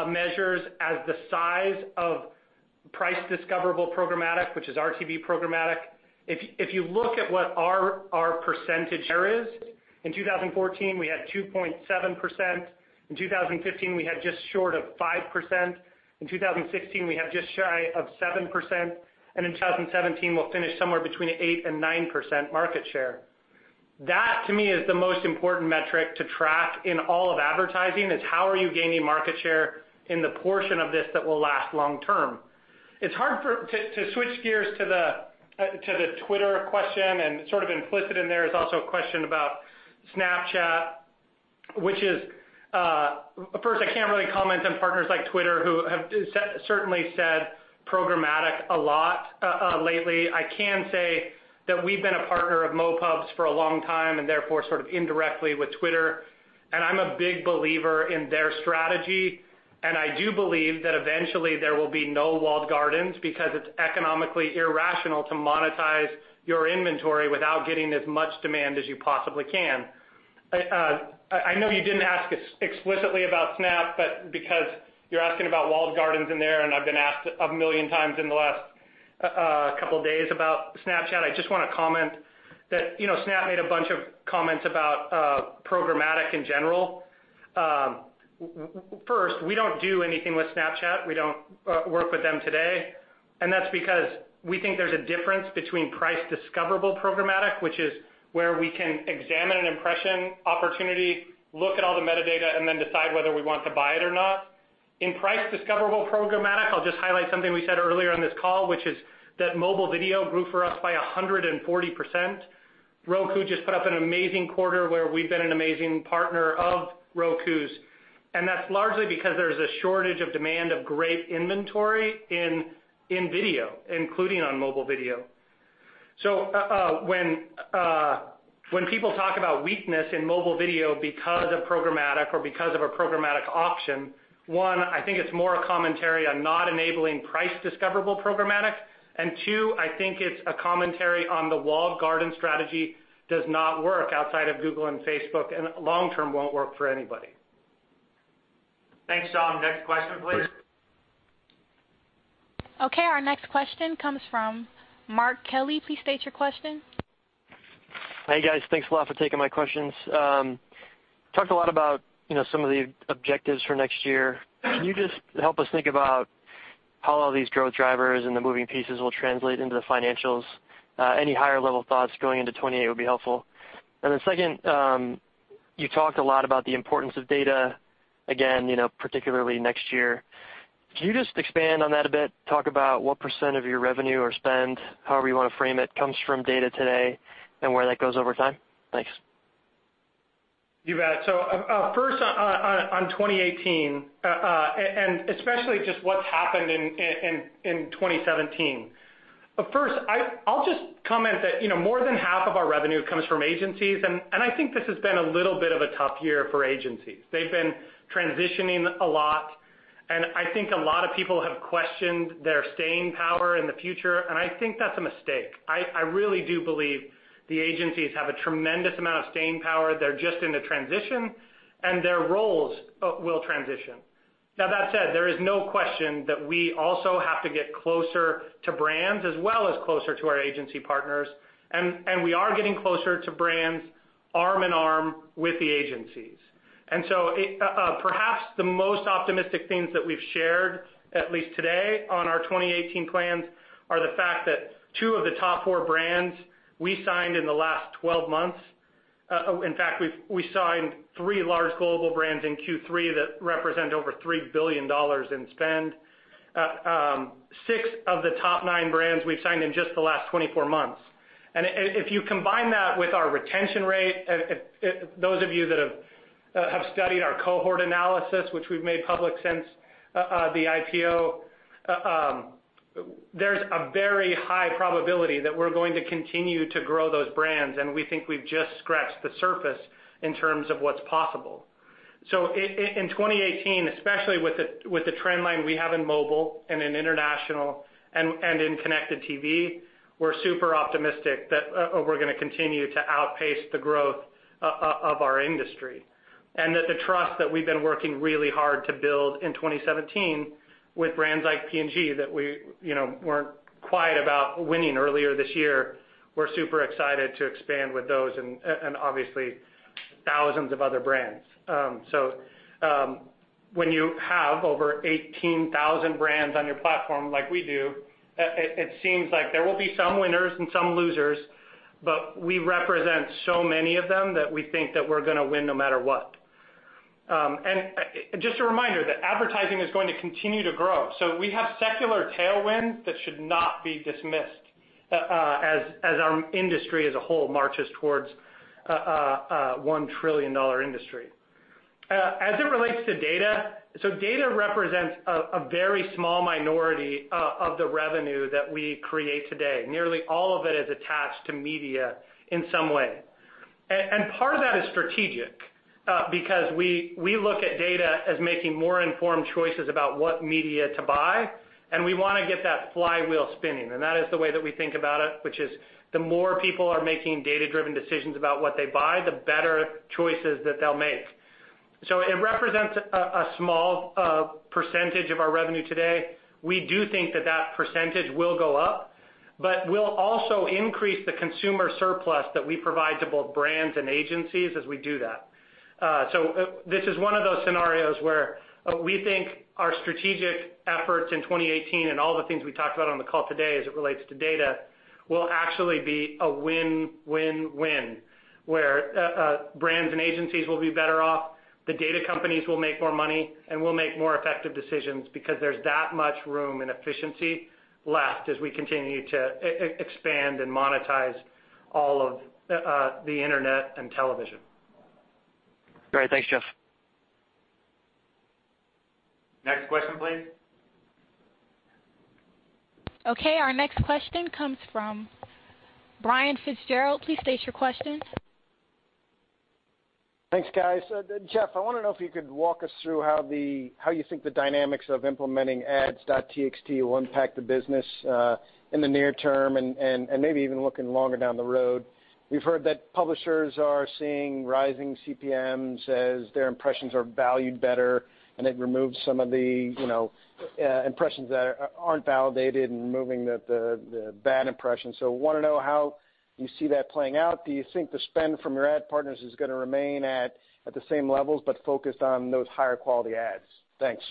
measures as the size of price discoverable programmatic, which is RTB programmatic. If you look at what our percentage there is, in 2014 we had 2.7%, in 2015 we had just short of 5%, in 2016 we had just shy of 7%, and in 2017 we'll finish somewhere between 8% and 9% market share. That to me is the most important metric to track in all of advertising, is how are you gaining market share in the portion of this that will last long term. To switch gears to the Twitter question, implicit in there is also a question about Snapchat. First, I can't really comment on partners like Twitter who have certainly said programmatic a lot lately. I can say that we've been a partner of MoPub's for a long time and therefore sort of indirectly with Twitter, and I'm a big believer in their strategy, and I do believe that eventually there will be no walled gardens because it's economically irrational to monetize your inventory without getting as much demand as you possibly can. I know you didn't ask explicitly about Snap, but because you're asking about walled gardens in there and I've been asked a million times in the last couple days about Snapchat, I just want to comment that Snap made a bunch of comments about programmatic in general. First, we don't do anything with Snapchat. We don't work with them today. That's because we think there's a difference between price discoverable programmatic, which is where we can examine an impression opportunity, look at all the metadata, and then decide whether we want to buy it or not. In price discoverable programmatic, I'll just highlight something we said earlier on this call, which is that mobile video grew for us by 140%. Roku just put up an amazing quarter where we've been an amazing partner of Roku's, and that's largely because there's a shortage of demand of great inventory in video, including on mobile video. When people talk about weakness in mobile video because of programmatic or because of a programmatic auction, one, I think it's more a commentary on not enabling price discoverable programmatic, and two, I think it's a commentary on the walled garden strategy does not work outside of Google and Facebook and long term won't work for anybody. Thanks, Shyam. Next question, please. Okay, our next question comes from Mark Kelley. Please state your question. Hey, guys. Thanks a lot for taking my questions. Talked a lot about some of the objectives for next year. Can you just help us think about how all these growth drivers and the moving pieces will translate into the financials? Any higher level thoughts going into 2018 would be helpful. Second, you talked a lot about the importance of data, again, particularly next year. Could you just expand on that a bit? Talk about what % of your revenue or spend, however you want to frame it, comes from data today and where that goes over time? Thanks. You bet. First on 2018, and especially just what's happened in 2017. First, I'll just comment that more than half of our revenue comes from agencies, and I think this has been a little bit of a tough year for agencies. They've been transitioning a lot, and I think a lot of people have questioned their staying power in the future, and I think that's a mistake. I really do believe the agencies have a tremendous amount of staying power. They're just in a transition, and their roles will transition. Now, that said, there is no question that we also have to get closer to brands as well as closer to our agency partners, and we are getting closer to brands arm in arm with the agencies. Perhaps the most optimistic things that we've shared, at least today, on our 2018 plans, are the fact that two of the top four brands we signed in the last 12 months. In fact, we signed three large global brands in Q3 that represent over $3 billion in spend. Six of the top nine brands we've signed in just the last 24 months. If you combine that with our retention rate, those of you that have studied our cohort analysis, which we've made public since the IPO, there's a very high probability that we're going to continue to grow those brands, and we think we've just scratched the surface in terms of what's possible. In 2018, especially with the trend line we have in mobile and in international and in connected TV, we're super optimistic that we're going to continue to outpace the growth of our industry. That the trust that we've been working really hard to build in 2017 with brands like P&G that we weren't quiet about winning earlier this year, we're super excited to expand with those and obviously thousands of other brands. When you have over 18,000 brands on your platform like we do, it seems like there will be some winners and some losers, but we represent so many of them that we think that we're going to win no matter what. Just a reminder that advertising is going to continue to grow. We have secular tailwinds that should not be dismissed as our industry as a whole marches towards a $1 trillion industry. As it relates to data represents a very small minority of the revenue that we create today. Nearly all of it is attached to media in some way. Part of that is strategic, because we look at data as making more informed choices about what media to buy, and we want to get that flywheel spinning. That is the way that we think about it, which is the more people are making data-driven decisions about what they buy, the better choices that they'll make. It represents a small percentage of our revenue today. We do think that that percentage will go up, but we'll also increase the consumer surplus that we provide to both brands and agencies as we do that. This is one of those scenarios where we think our strategic efforts in 2018 and all the things we talked about on the call today as it relates to data will actually be a win-win-win, where brands and agencies will be better off, the data companies will make more money, and we'll make more effective decisions because there's that much room and efficiency left as we continue to expand and monetize all of the internet and television. Great. Thanks, Jeff. Next question, please. Okay, our next question comes from Brian Fitzgerald. Please state your question. Thanks, guys. Jeff, I want to know if you could walk us through how you think the dynamics of implementing ads.txt will impact the business in the near term and maybe even looking longer down the road. We've heard that publishers are seeing rising CPMs as their impressions are valued better, and it removes some of the impressions that aren't validated and removing the bad impressions. I want to know how you see that playing out. Do you think the spend from your ad partners is going to remain at the same levels, but focused on those higher quality ads? Thanks.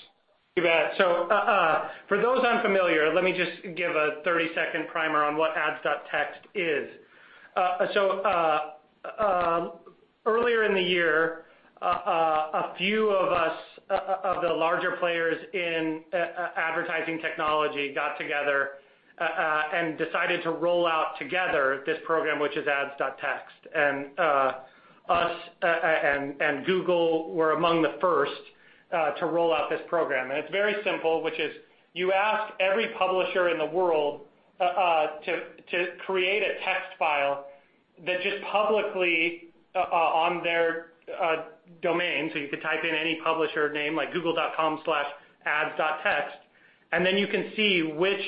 You bet. For those unfamiliar, let me just give a 30-second primer on what ads.txt is. Us and Google were among the first to roll out this program. It's very simple, which is you ask every publisher in the world to create a text file that just publicly on their domain, so you could type in any publisher name like google.com/ads.txt, and then you can see which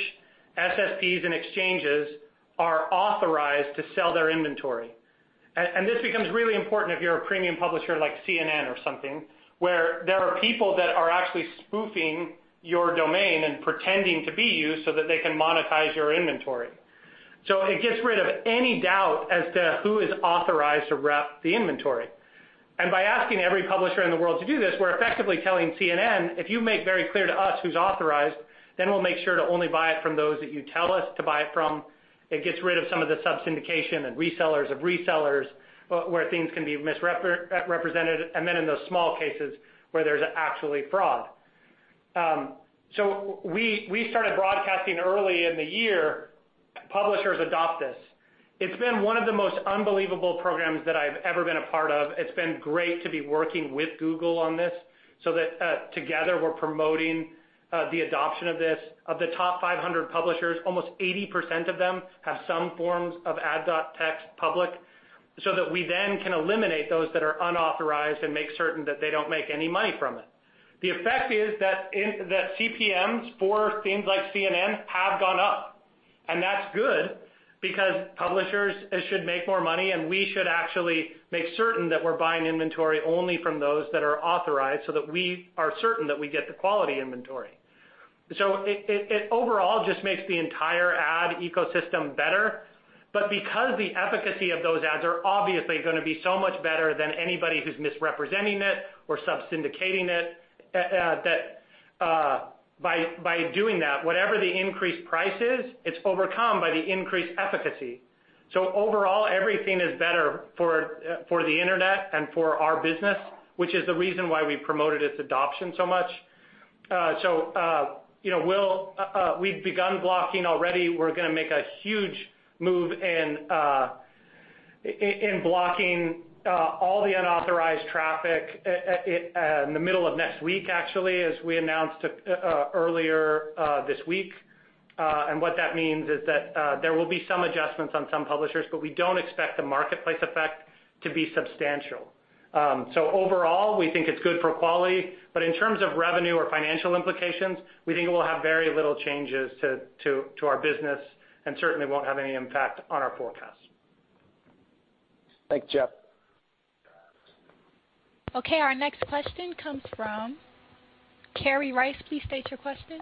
SSPs and exchanges are authorized to sell their inventory. This becomes really important if you're a premium publisher like CNN or something, where there are people that are actually spoofing your domain and pretending to be you so that they can monetize your inventory. It gets rid of any doubt as to who is authorized to rep the inventory. By asking every publisher in the world to do this, we're effectively telling CNN, if you make very clear to us who's authorized, then we'll make sure to only buy it from those that you tell us to buy it from. It gets rid of some of the sub-syndication and resellers of resellers, where things can be misrepresented, and then in those small cases, where there's actually fraud. We started broadcasting early in the year, publishers adopt this. It's been one of the most unbelievable programs that I've ever been a part of. It's been great to be working with Google on this so that together we're promoting the adoption of this. Of the top 500 publishers, almost 80% of them have some forms of ads.txt public, so that we then can eliminate those that are unauthorized and make certain that they don't make any money from it. The effect is that CPMs for things like CNN have gone up, and that's good because publishers should make more money, and we should actually make certain that we're buying inventory only from those that are authorized so that we are certain that we get the quality inventory. It overall just makes the entire ad ecosystem better. Because the efficacy of those ads are obviously going to be so much better than anybody who's misrepresenting it or sub-syndicating it, that by doing that, whatever the increased price is, it's overcome by the increased efficacy. Overall, everything is better for the Internet and for our business, which is the reason why we promoted its adoption so much. We've begun blocking already. We're going to make a huge move in blocking all the unauthorized traffic in the middle of next week, actually, as we announced earlier this week. What that means is that there will be some adjustments on some publishers, but we don't expect the marketplace effect to be substantial. Overall, we think it's good for quality, but in terms of revenue or financial implications, we think it will have very little changes to our business and certainly won't have any impact on our forecast. Thanks, Jeff. Okay, our next question comes from Kerry Rice. Please state your question.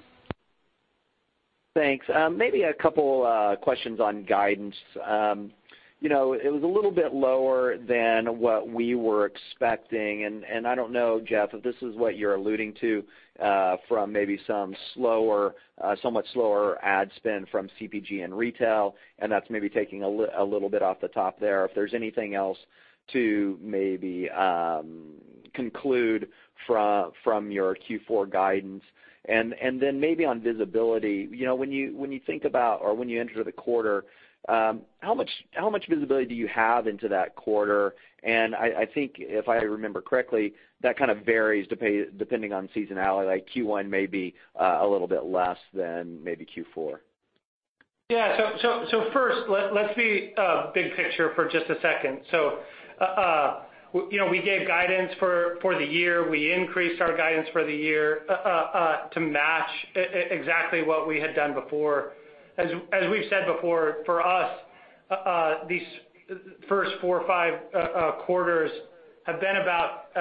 Thanks. Maybe a couple questions on guidance. It was a little bit lower than what we were expecting, I don't know, Jeff, if this is what you're alluding to from maybe some much slower ad spend from CPG and retail, and that's maybe taking a little bit off the top there. If there's anything else to maybe conclude from your Q4 guidance. Then maybe on visibility, when you think about or when you enter the quarter, how much visibility do you have into that quarter? I think if I remember correctly, that kind of varies depending on seasonality, like Q1 may be a little bit less than maybe Q4. Yeah. First, let's be big picture for just a second. We gave guidance for the year. We increased our guidance for the year to match exactly what we had done before. As we've said before, for us, these first four or five quarters have been about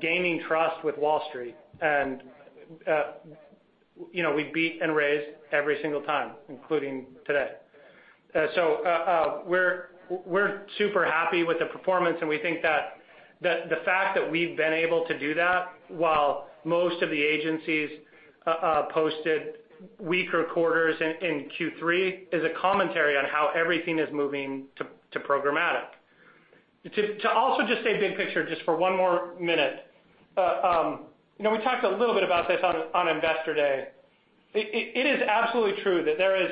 gaining trust with Wall Street, and we beat and raised every single time, including today. We're super happy with the performance, and we think that the fact that we've been able to do that while most of the agencies posted weaker quarters in Q3 is a commentary on how everything is moving to programmatic. To also just say big picture, just for one more minute. We talked a little bit about this on Investor Day. It is absolutely true that there is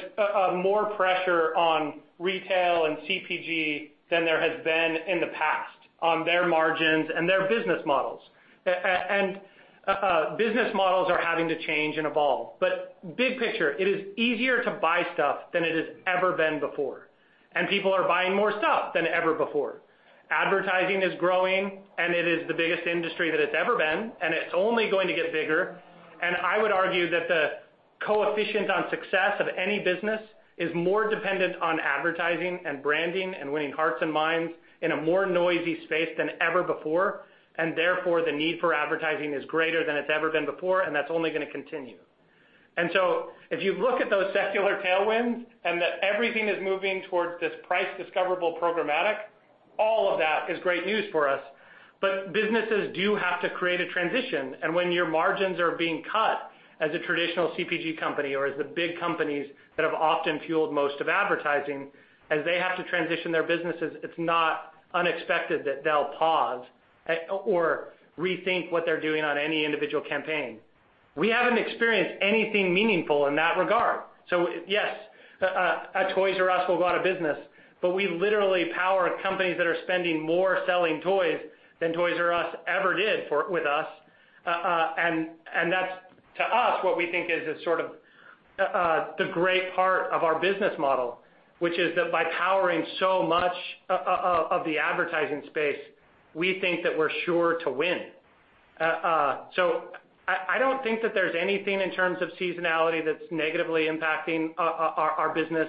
more pressure on retail and CPG than there has been in the past on their margins and their business models. Business models are having to change and evolve. Big picture, it is easier to buy stuff than it has ever been before, and people are buying more stuff than ever before. Advertising is growing, and it is the biggest industry that it's ever been, and it's only going to get bigger. I would argue that the coefficient on success of any business is more dependent on advertising and branding and winning hearts and minds in a more noisy space than ever before. Therefore, the need for advertising is greater than it's ever been before, and that's only going to continue. If you look at those secular tailwinds and that everything is moving towards this price discoverable programmatic, all of that is great news for us. Businesses do have to create a transition, and when your margins are being cut as a traditional CPG company or as the big companies that have often fueled most of advertising, as they have to transition their businesses, it's not unexpected that they'll pause or rethink what they're doing on any individual campaign. We haven't experienced anything meaningful in that regard. Yes, a Toys "R" Us will go out of business, but we literally power companies that are spending more selling toys than Toys "R" Us ever did with us. That's, to us, what we think is the sort of the great part of our business model, which is that by powering so much of the advertising space, we think that we're sure to win. I don't think that there's anything in terms of seasonality that's negatively impacting our business.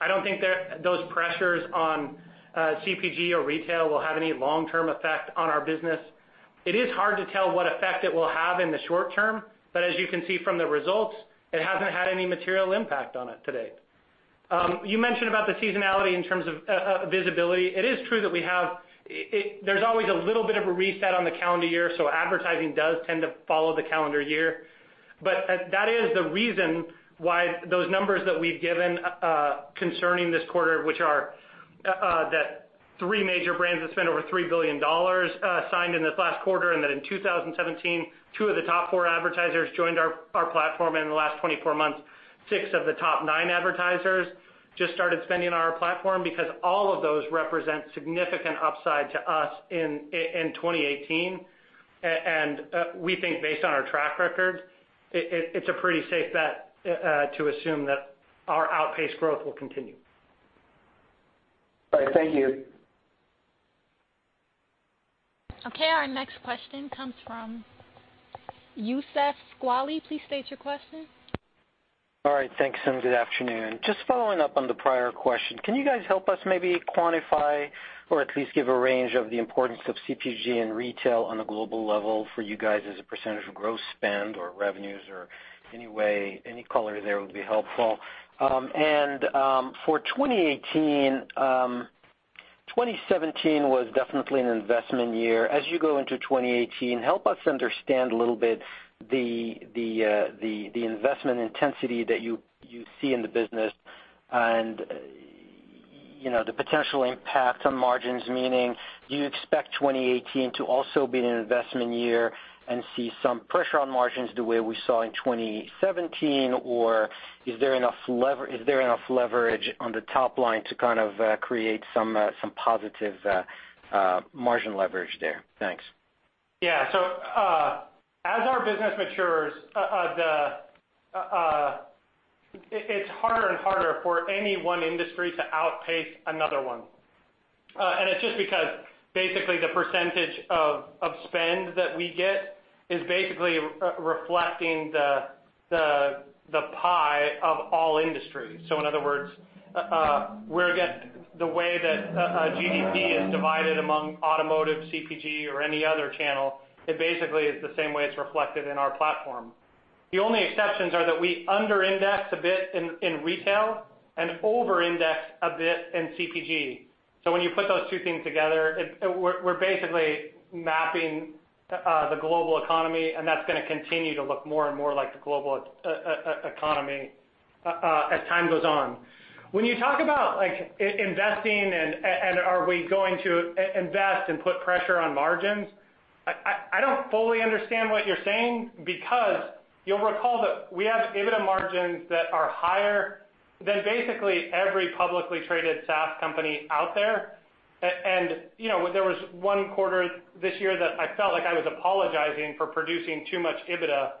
I don't think those pressures on CPG or retail will have any long-term effect on our business. It is hard to tell what effect it will have in the short term, but as you can see from the results, it hasn't had any material impact on it to date. You mentioned about the seasonality in terms of visibility. It is true that there's always a little bit of a reset on the calendar year, advertising does tend to follow the calendar year. That is the reason why those numbers that we've given concerning this quarter, which are that three major brands that spend over $3 billion signed in this last quarter, that in 2017, two of the top four advertisers joined our platform in the last 24 months, six of the top nine advertisers just started spending on our platform because all of those represent significant upside to us in 2018. We think based on our track record, it's a pretty safe bet to assume that our outpaced growth will continue. All right. Thank you. Okay, our next question comes from Youssef Squali. Please state your question. All right, thanks and good afternoon. Just following up on the prior question, can you guys help us maybe quantify or at least give a range of the importance of CPG and retail on a global level for you guys as a percentage of gross spend or revenues or any way, any color there would be helpful. For 2018, 2017 was definitely an investment year. As you go into 2018, help us understand a little bit the investment intensity that you see in the business and the potential impact on margins. Meaning, do you expect 2018 to also be an investment year and see some pressure on margins the way we saw in 2017? Is there enough leverage on the top line to kind of create some positive margin leverage there? Thanks. Yeah. As our business matures, it's harder and harder for any one industry to outpace another one. It's just because basically the percentage of spend that we get is basically reflecting the pie of all industries. In other words, the way that GDP is divided among automotive, CPG, or any other channel, it basically is the same way it's reflected in our platform. The only exceptions are that we under-index a bit in retail and over-index a bit in CPG. When you put those two things together, we're basically mapping the global economy, and that's going to continue to look more and more like the global economy as time goes on. When you talk about investing and are we going to invest and put pressure on margins, I don't fully understand what you're saying because you'll recall that we have EBITDA margins that are higher than basically every publicly traded SaaS company out there. There was one quarter this year that I felt like I was apologizing for producing too much EBITDA.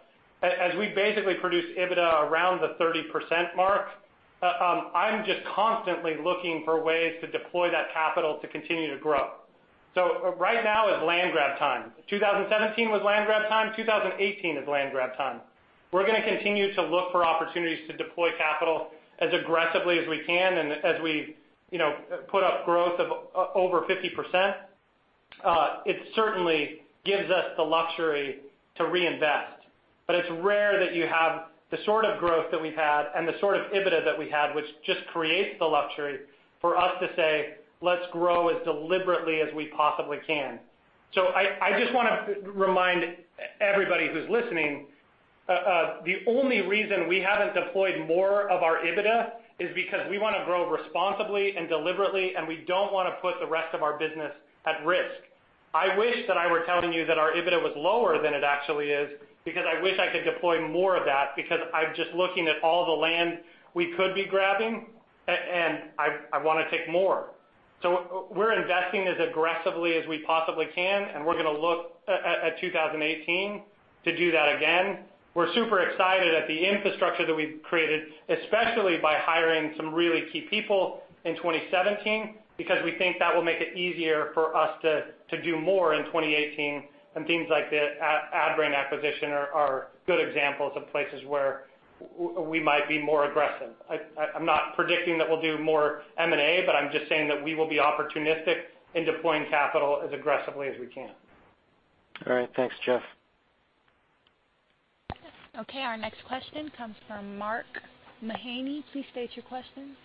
As we basically produce EBITDA around the 30% mark, I'm just constantly looking for ways to deploy that capital to continue to grow. Right now is land grab time. 2017 was land grab time. 2018 is land grab time. We're going to continue to look for opportunities to deploy capital as aggressively as we can and as we put up growth of over 50%. It certainly gives us the luxury to reinvest. It's rare that you have the sort of growth that we've had and the sort of EBITDA that we had, which just creates the luxury for us to say, let's grow as deliberately as we possibly can. I just want to remind everybody who's listening, the only reason we haven't deployed more of our EBITDA is because we want to grow responsibly and deliberately, and we don't want to put the rest of our business at risk. I wish that I were telling you that our EBITDA was lower than it actually is because I wish I could deploy more of that because I'm just looking at all the land we could be grabbing, and I want to take more. We're investing as aggressively as we possibly can, and we're going to look at 2018 to do that again. We're super excited at the infrastructure that we've created, especially by hiring some really key people in 2017 because we think that will make it easier for us to do more in 2018 and things like the Adbrain acquisition are good examples of places where we might be more aggressive. I'm not predicting that we'll do more M&A, I'm just saying that we will be opportunistic in deploying capital as aggressively as we can. All right. Thanks, Jeff. Okay, our next question comes from Mark Mahaney. Please state your question.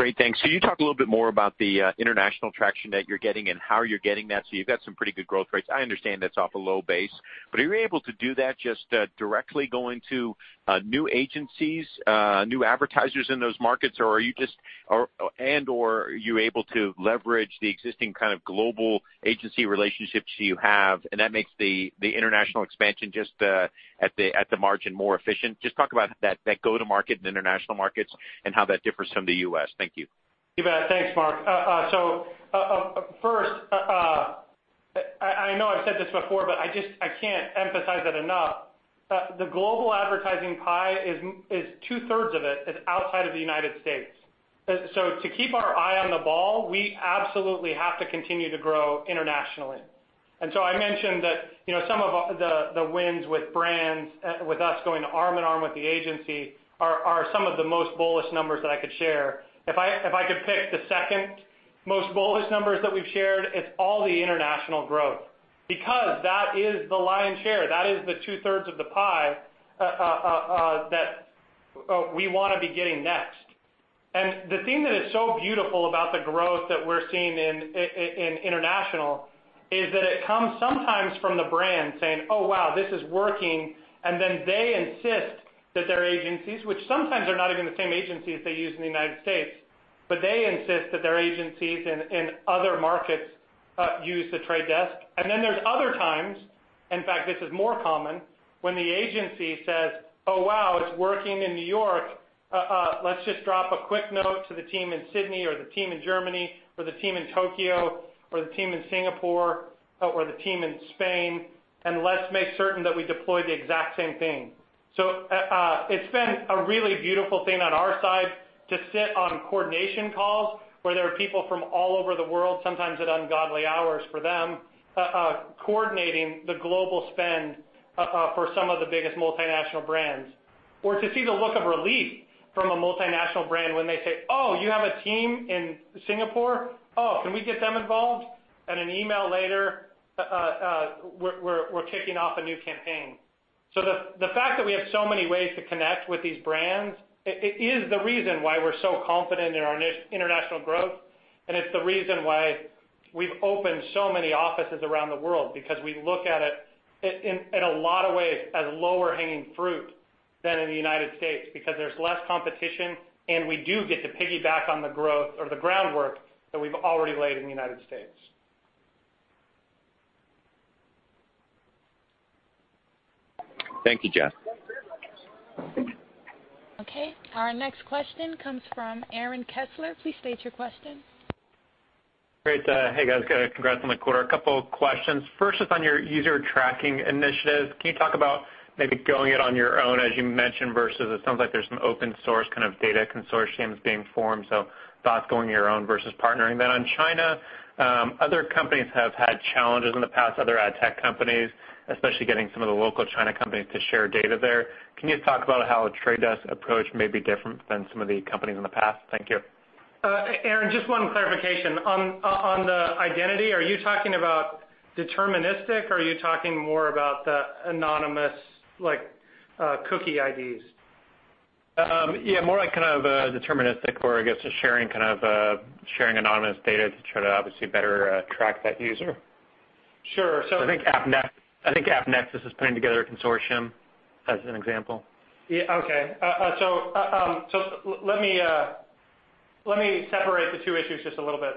Great, thanks. Can you talk a little bit more about the international traction that you're getting and how you're getting that? You've got some pretty good growth rates. I understand that's off a low base, are you able to do that just directly going to new agencies, new advertisers in those markets, and/or are you able to leverage the existing kind of global agency relationships you have, and that makes the international expansion just at the margin more efficient? Just talk about that go-to-market in international markets and how that differs from the U.S. Thank you. You bet. Thanks, Mark. First, I know I've said this before, I can't emphasize it enough. The global advertising pie is two-thirds of it is outside of the United States. I mentioned that some of the wins with brands, with us going arm in arm with the agency are some of the most bullish numbers that I could share. If I could pick the second most bullish numbers that we've shared, it's all the international growth, because that is the lion's share, that is the two-thirds of the pie that we want to be getting next. The thing that is so beautiful about the growth that we're seeing in international is that it comes sometimes from the brand saying, "Oh, wow, this is working." They insist that their agencies, which sometimes are not even the same agencies they use in the United States, they insist that their agencies in other markets use The Trade Desk. There's other times, in fact, this is more common, when the agency says, "Oh, wow, it's working in New York. Let's just drop a quick note to the team in Sydney, or the team in Germany, or the team in Tokyo, or the team in Singapore, or the team in Spain, let's make certain that we deploy the exact same thing." It's been a really beautiful thing on our side to sit on coordination calls where there are people from all over the world, sometimes at ungodly hours for them, coordinating the global spend for some of the biggest multinational brands. Or to see the look of relief from a multinational brand when they say, "Oh, you have a team in Singapore? Oh, can we get them involved?" An email later, we're kicking off a new campaign. The fact that we have so many ways to connect with these brands, it is the reason why we're so confident in our international growth, and it's the reason why we've opened so many offices around the world, because we look at it in a lot of ways as lower hanging fruit than in the United States, because there's less competition, and we do get to piggyback on the growth or the groundwork that we've already laid in the United States. Thank you, Jeff. Our next question comes from Aaron Kessler. Please state your question. Great. Hey, guys. Congrats on the quarter. A couple questions. First, just on your user tracking initiative, can you talk about maybe going it on your own, as you mentioned, versus it sounds like there's some open source kind of data consortiums being formed. Thoughts going your own versus partnering. On China, other companies have had challenges in the past, other ad tech companies, especially getting some of the local China companies to share data there. Can you talk about how a Trade Desk approach may be different than some of the companies in the past? Thank you. Aaron, just one clarification. On the identity, are you talking about deterministic, or are you talking more about the anonymous, like cookie IDs? Yeah, more like kind of deterministic, or I guess, sharing anonymous data to try to obviously better track that user. Sure. I think AppNexus is putting together a consortium as an example. Yeah. Okay. Let me separate the two issues just a little bit.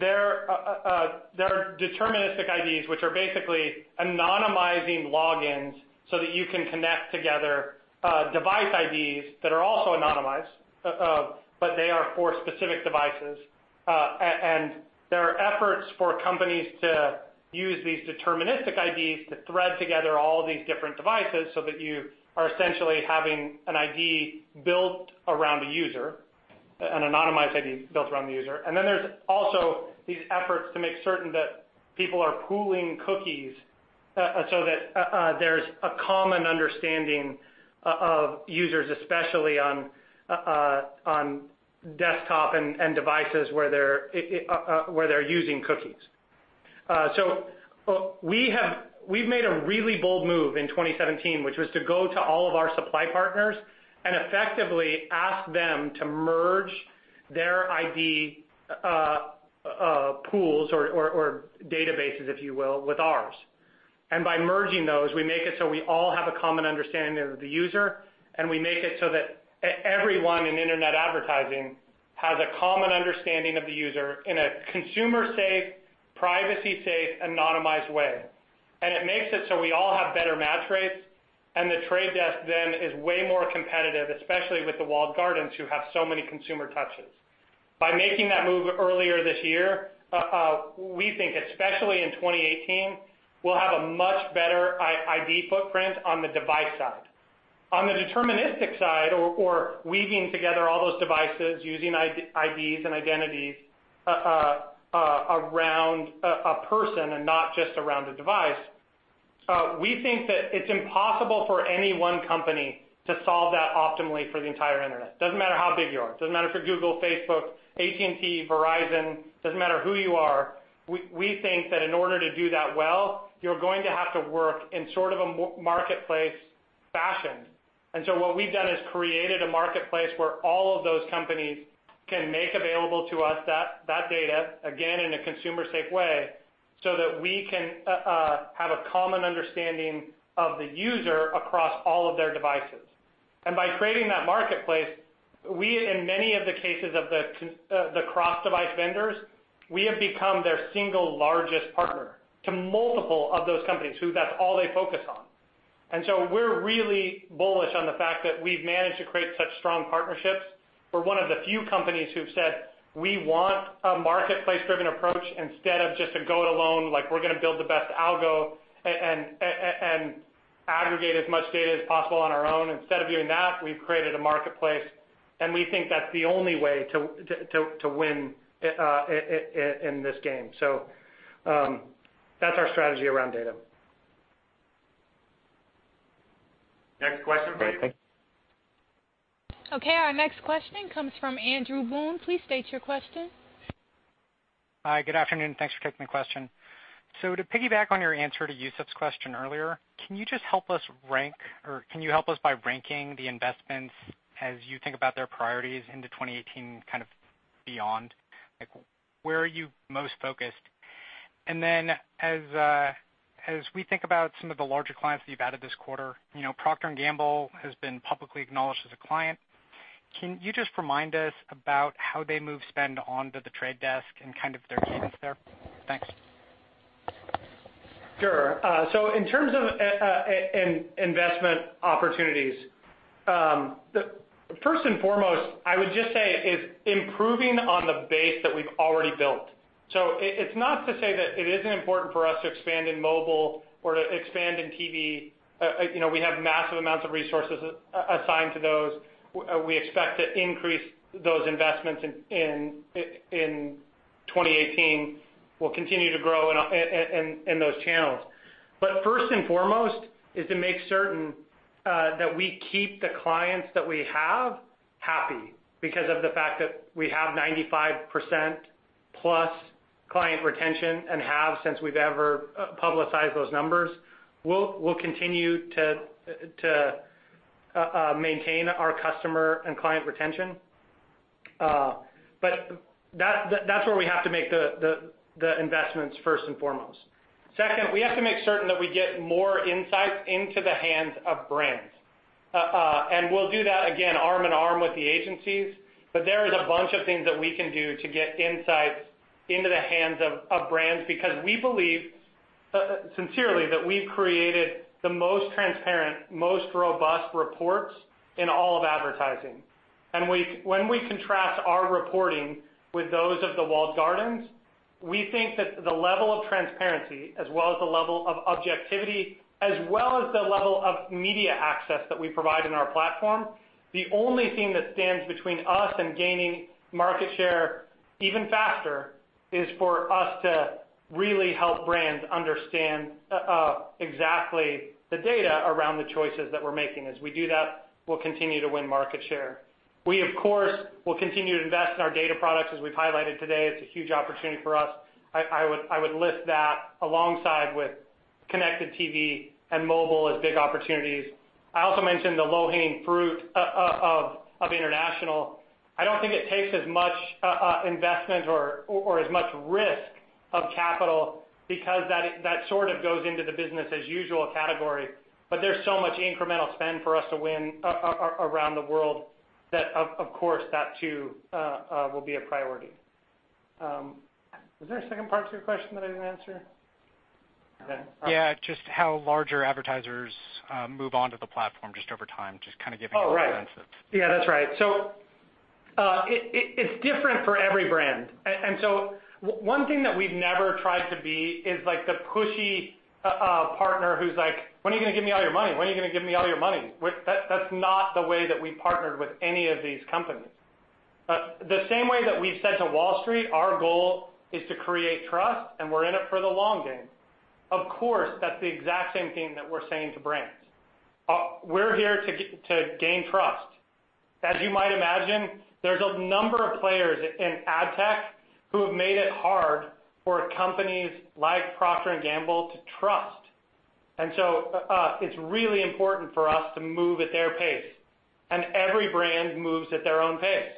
There are deterministic IDs, which are basically anonymizing logins so that you can connect together device IDs that are also anonymized, but they are for specific devices. There are efforts for companies to use these deterministic IDs to thread together all of these different devices so that you are essentially having an ID built around a user, an anonymized ID built around the user. Then there's also these efforts to make certain that people are pooling cookies so that there's a common understanding of users, especially on desktop and devices where they're using cookies. We've made a really bold move in 2017, which was to go to all of our supply partners and effectively ask them to merge their ID pools or databases, if you will, with ours. By merging those, we make it so we all have a common understanding of the user, and we make it so that everyone in internet advertising has a common understanding of the user in a consumer-safe, privacy-safe, anonymized way. It makes it so we all have better match rates. The Trade Desk then is way more competitive, especially with the walled gardens who have so many consumer touches. By making that move earlier this year, we think especially in 2018, we'll have a much better ID footprint on the device side. On the deterministic side, or weaving together all those devices using IDs and identities around a person and not just around a device, we think that it's impossible for any one company to solve that optimally for the entire internet. Doesn't matter how big you are. Doesn't matter if you're Google, Facebook, AT&T, Verizon. Doesn't matter who you are. We think that in order to do that well, you're going to have to work in sort of a marketplace fashion. What we've done is created a marketplace where all of those companies can make available to us that data, again, in a consumer-safe way, so that we can have a common understanding of the user across all of their devices. By creating that marketplace, we, in many of the cases of the cross-device vendors, we have become their single largest partner to multiple of those companies who that's all they focus on. We're really bullish on the fact that we've managed to create such strong partnerships. We're one of the few companies who've said we want a marketplace-driven approach instead of just a go it alone, like we're going to build the best algo and aggregate as much data as possible on our own. Instead of doing that, we've created a marketplace, and we think that's the only way to win in this game. That's our strategy around data. Next question, please. Okay, our next question comes from Andrew Boone. Please state your question. Hi. Good afternoon. Thanks for taking the question. To piggyback on your answer to Youssef's question earlier, can you just help us rank, or can you help us by ranking the investments as you think about their priorities into 2018 kind of beyond? Like, where are you most focused? Then, as we think about some of the larger clients that you've added this quarter, Procter & Gamble has been publicly acknowledged as a client. Can you just remind us about how they move spend onto The Trade Desk and kind of their cadence there? Thanks. Sure. In terms of investment opportunities, first and foremost, I would just say it's improving on the base that we've already built. It's not to say that it isn't important for us to expand in mobile or to expand in TV. We have massive amounts of resources assigned to those. We expect to increase those investments in 2018. We'll continue to grow in those channels. First and foremost is to make certain that we keep the clients that we have happy because of the fact that we have 95%+ client retention and have since we've ever publicized those numbers. We'll continue to maintain our customer and client retention. That's where we have to make the investments first and foremost. Second, we have to make certain that we get more insights into the hands of brands. We'll do that, again, arm in arm with the agencies. There is a bunch of things that we can do to get insights into the hands of brands because we believe sincerely that we've created the most transparent, most robust reports in all of advertising. When we contrast our reporting with those of the walled gardens, we think that the level of transparency as well as the level of objectivity, as well as the level of media access that we provide in our platform, the only thing that stands between us and gaining market share even faster is for us to really help brands understand exactly the data around the choices that we're making. As we do that, we'll continue to win market share. We, of course, will continue to invest in our data products, as we've highlighted today. It's a huge opportunity for us. I would list that alongside with connected TV and mobile as big opportunities. I also mentioned the low-hanging fruit of international. I don't think it takes as much investment or as much risk of capital because that sort of goes into the business as usual category. There's so much incremental spend for us to win around the world that, of course, that too will be a priority. Was there a second part to your question that I didn't answer? Yeah, just how larger advertisers move onto the platform just over time, just kind of giving- Oh, right us insights. Yeah, that's right. It's different for every brand. One thing that we've never tried to be is the pushy partner who's like, "When are you gonna give me all your money? When are you gonna give me all your money?" That's not the way that we partnered with any of these companies. The same way that we've said to Wall Street, our goal is to create trust, and we're in it for the long game. Of course, that's the exact same thing that we're saying to brands. We're here to gain trust. As you might imagine, there's a number of players in ad tech who have made it hard for companies like Procter & Gamble to trust. It's really important for us to move at their pace, and every brand moves at their own pace.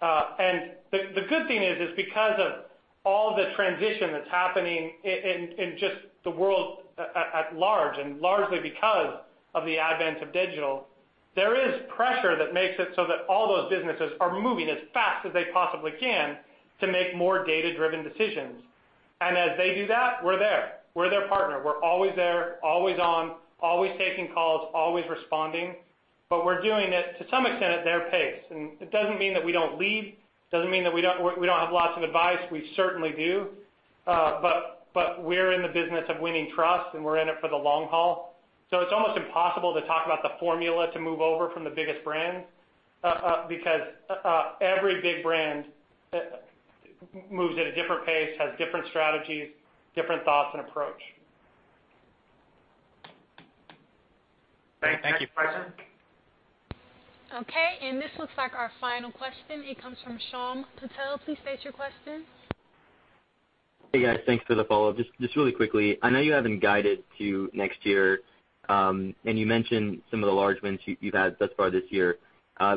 The good thing is because of all the transition that's happening in just the world at large, and largely because of the advent of digital, there is pressure that makes it so that all those businesses are moving as fast as they possibly can to make more data-driven decisions. As they do that, we're there. We're their partner. We're always there, always on, always taking calls, always responding, but we're doing it, to some extent, at their pace. It doesn't mean that we don't lead, doesn't mean that we don't have lots of advice. We certainly do. We're in the business of winning trust, and we're in it for the long haul. It's almost impossible to talk about the formula to move over from the biggest brands because every big brand moves at a different pace, has different strategies, different thoughts, and approach. Thank you. Next question. Okay, this looks like our final question. It comes from Shyam Patil. Please state your question. Hey, guys. Thanks for the follow-up. Just really quickly, I know you haven't guided to next year, and you mentioned some of the large wins you've had thus far this year.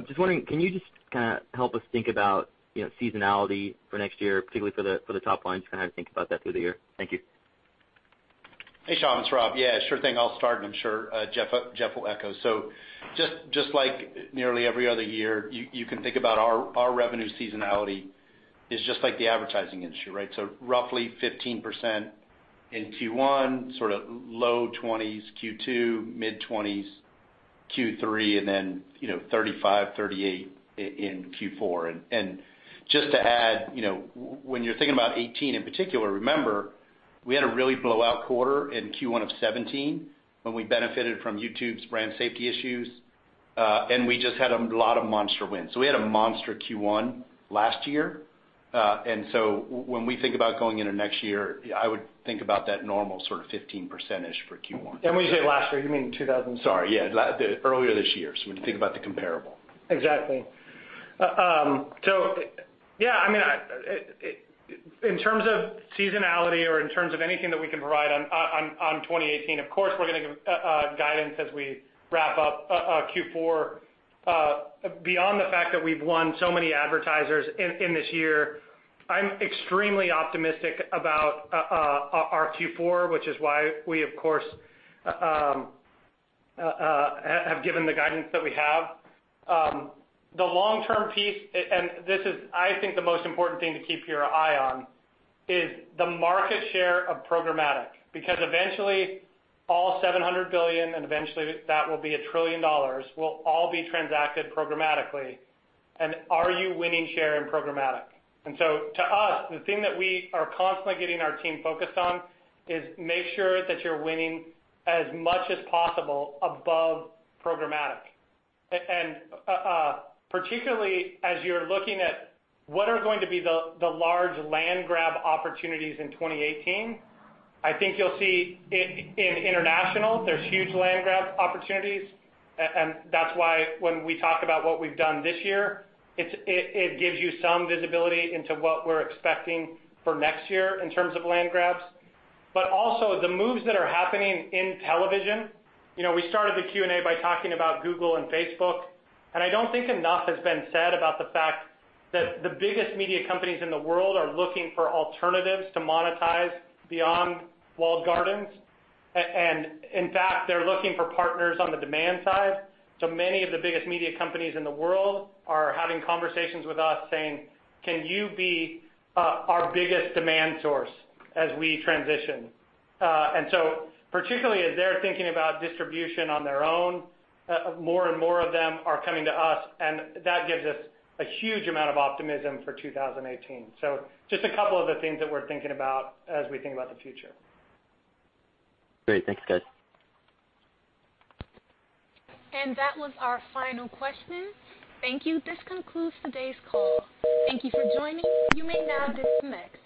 Just wondering, can you just kind of help us think about seasonality for next year, particularly for the top line, just kind of how to think about that through the year? Thank you. Hey, Shyam, it's Rob. Yeah, sure thing. I'll start, and I'm sure Jeff will echo. Just like nearly every other year, you can think about our revenue seasonality Is just like the advertising industry, right? Roughly 15% in Q1, sort of low 20s Q2, mid-20s Q3, then 35, 38 in Q4. Just to add, when you're thinking about 2018 in particular, remember, we had a really blowout quarter in Q1 of 2017 when we benefited from YouTube's brand safety issues, and we just had a lot of monster wins. We had a monster Q1 last year. When we think about going into next year, I would think about that normal sort of 15% for Q1. When you say last year, you mean 20? Sorry, yeah. Earlier this year, when you think about the comparable. Exactly. Yeah, in terms of seasonality or in terms of anything that we can provide on 2018, of course, we're going to give guidance as we wrap up Q4. Beyond the fact that we've won so many advertisers in this year, I'm extremely optimistic about our Q4, which is why we, of course, have given the guidance that we have. The long-term piece, and this is, I think, the most important thing to keep your eye on, is the market share of programmatic. Because eventually, all $700 billion, and eventually that will be a $1 trillion, will all be transacted programmatically, and are you winning share in programmatic? To us, the thing that we are constantly getting our team focused on is make sure that you're winning as much as possible above programmatic. Particularly as you're looking at what are going to be the large land grab opportunities in 2018, I think you'll see in international, there's huge land grab opportunities, and that's why when we talk about what we've done this year, it gives you some visibility into what we're expecting for next year in terms of land grabs. But also the moves that are happening in television. We started the Q&A by talking about Google and Facebook, and I don't think enough has been said about the fact that the biggest media companies in the world are looking for alternatives to monetize beyond walled gardens. In fact, they're looking for partners on the demand side. Many of the biggest media companies in the world are having conversations with us saying, "Can you be our biggest demand source as we transition?" Particularly as they're thinking about distribution on their own, more and more of them are coming to us, and that gives us a huge amount of optimism for 2018. Just a couple of the things that we're thinking about as we think about the future. Great. Thanks, guys. That was our final question. Thank you. This concludes today's call. Thank you for joining. You may now disconnect.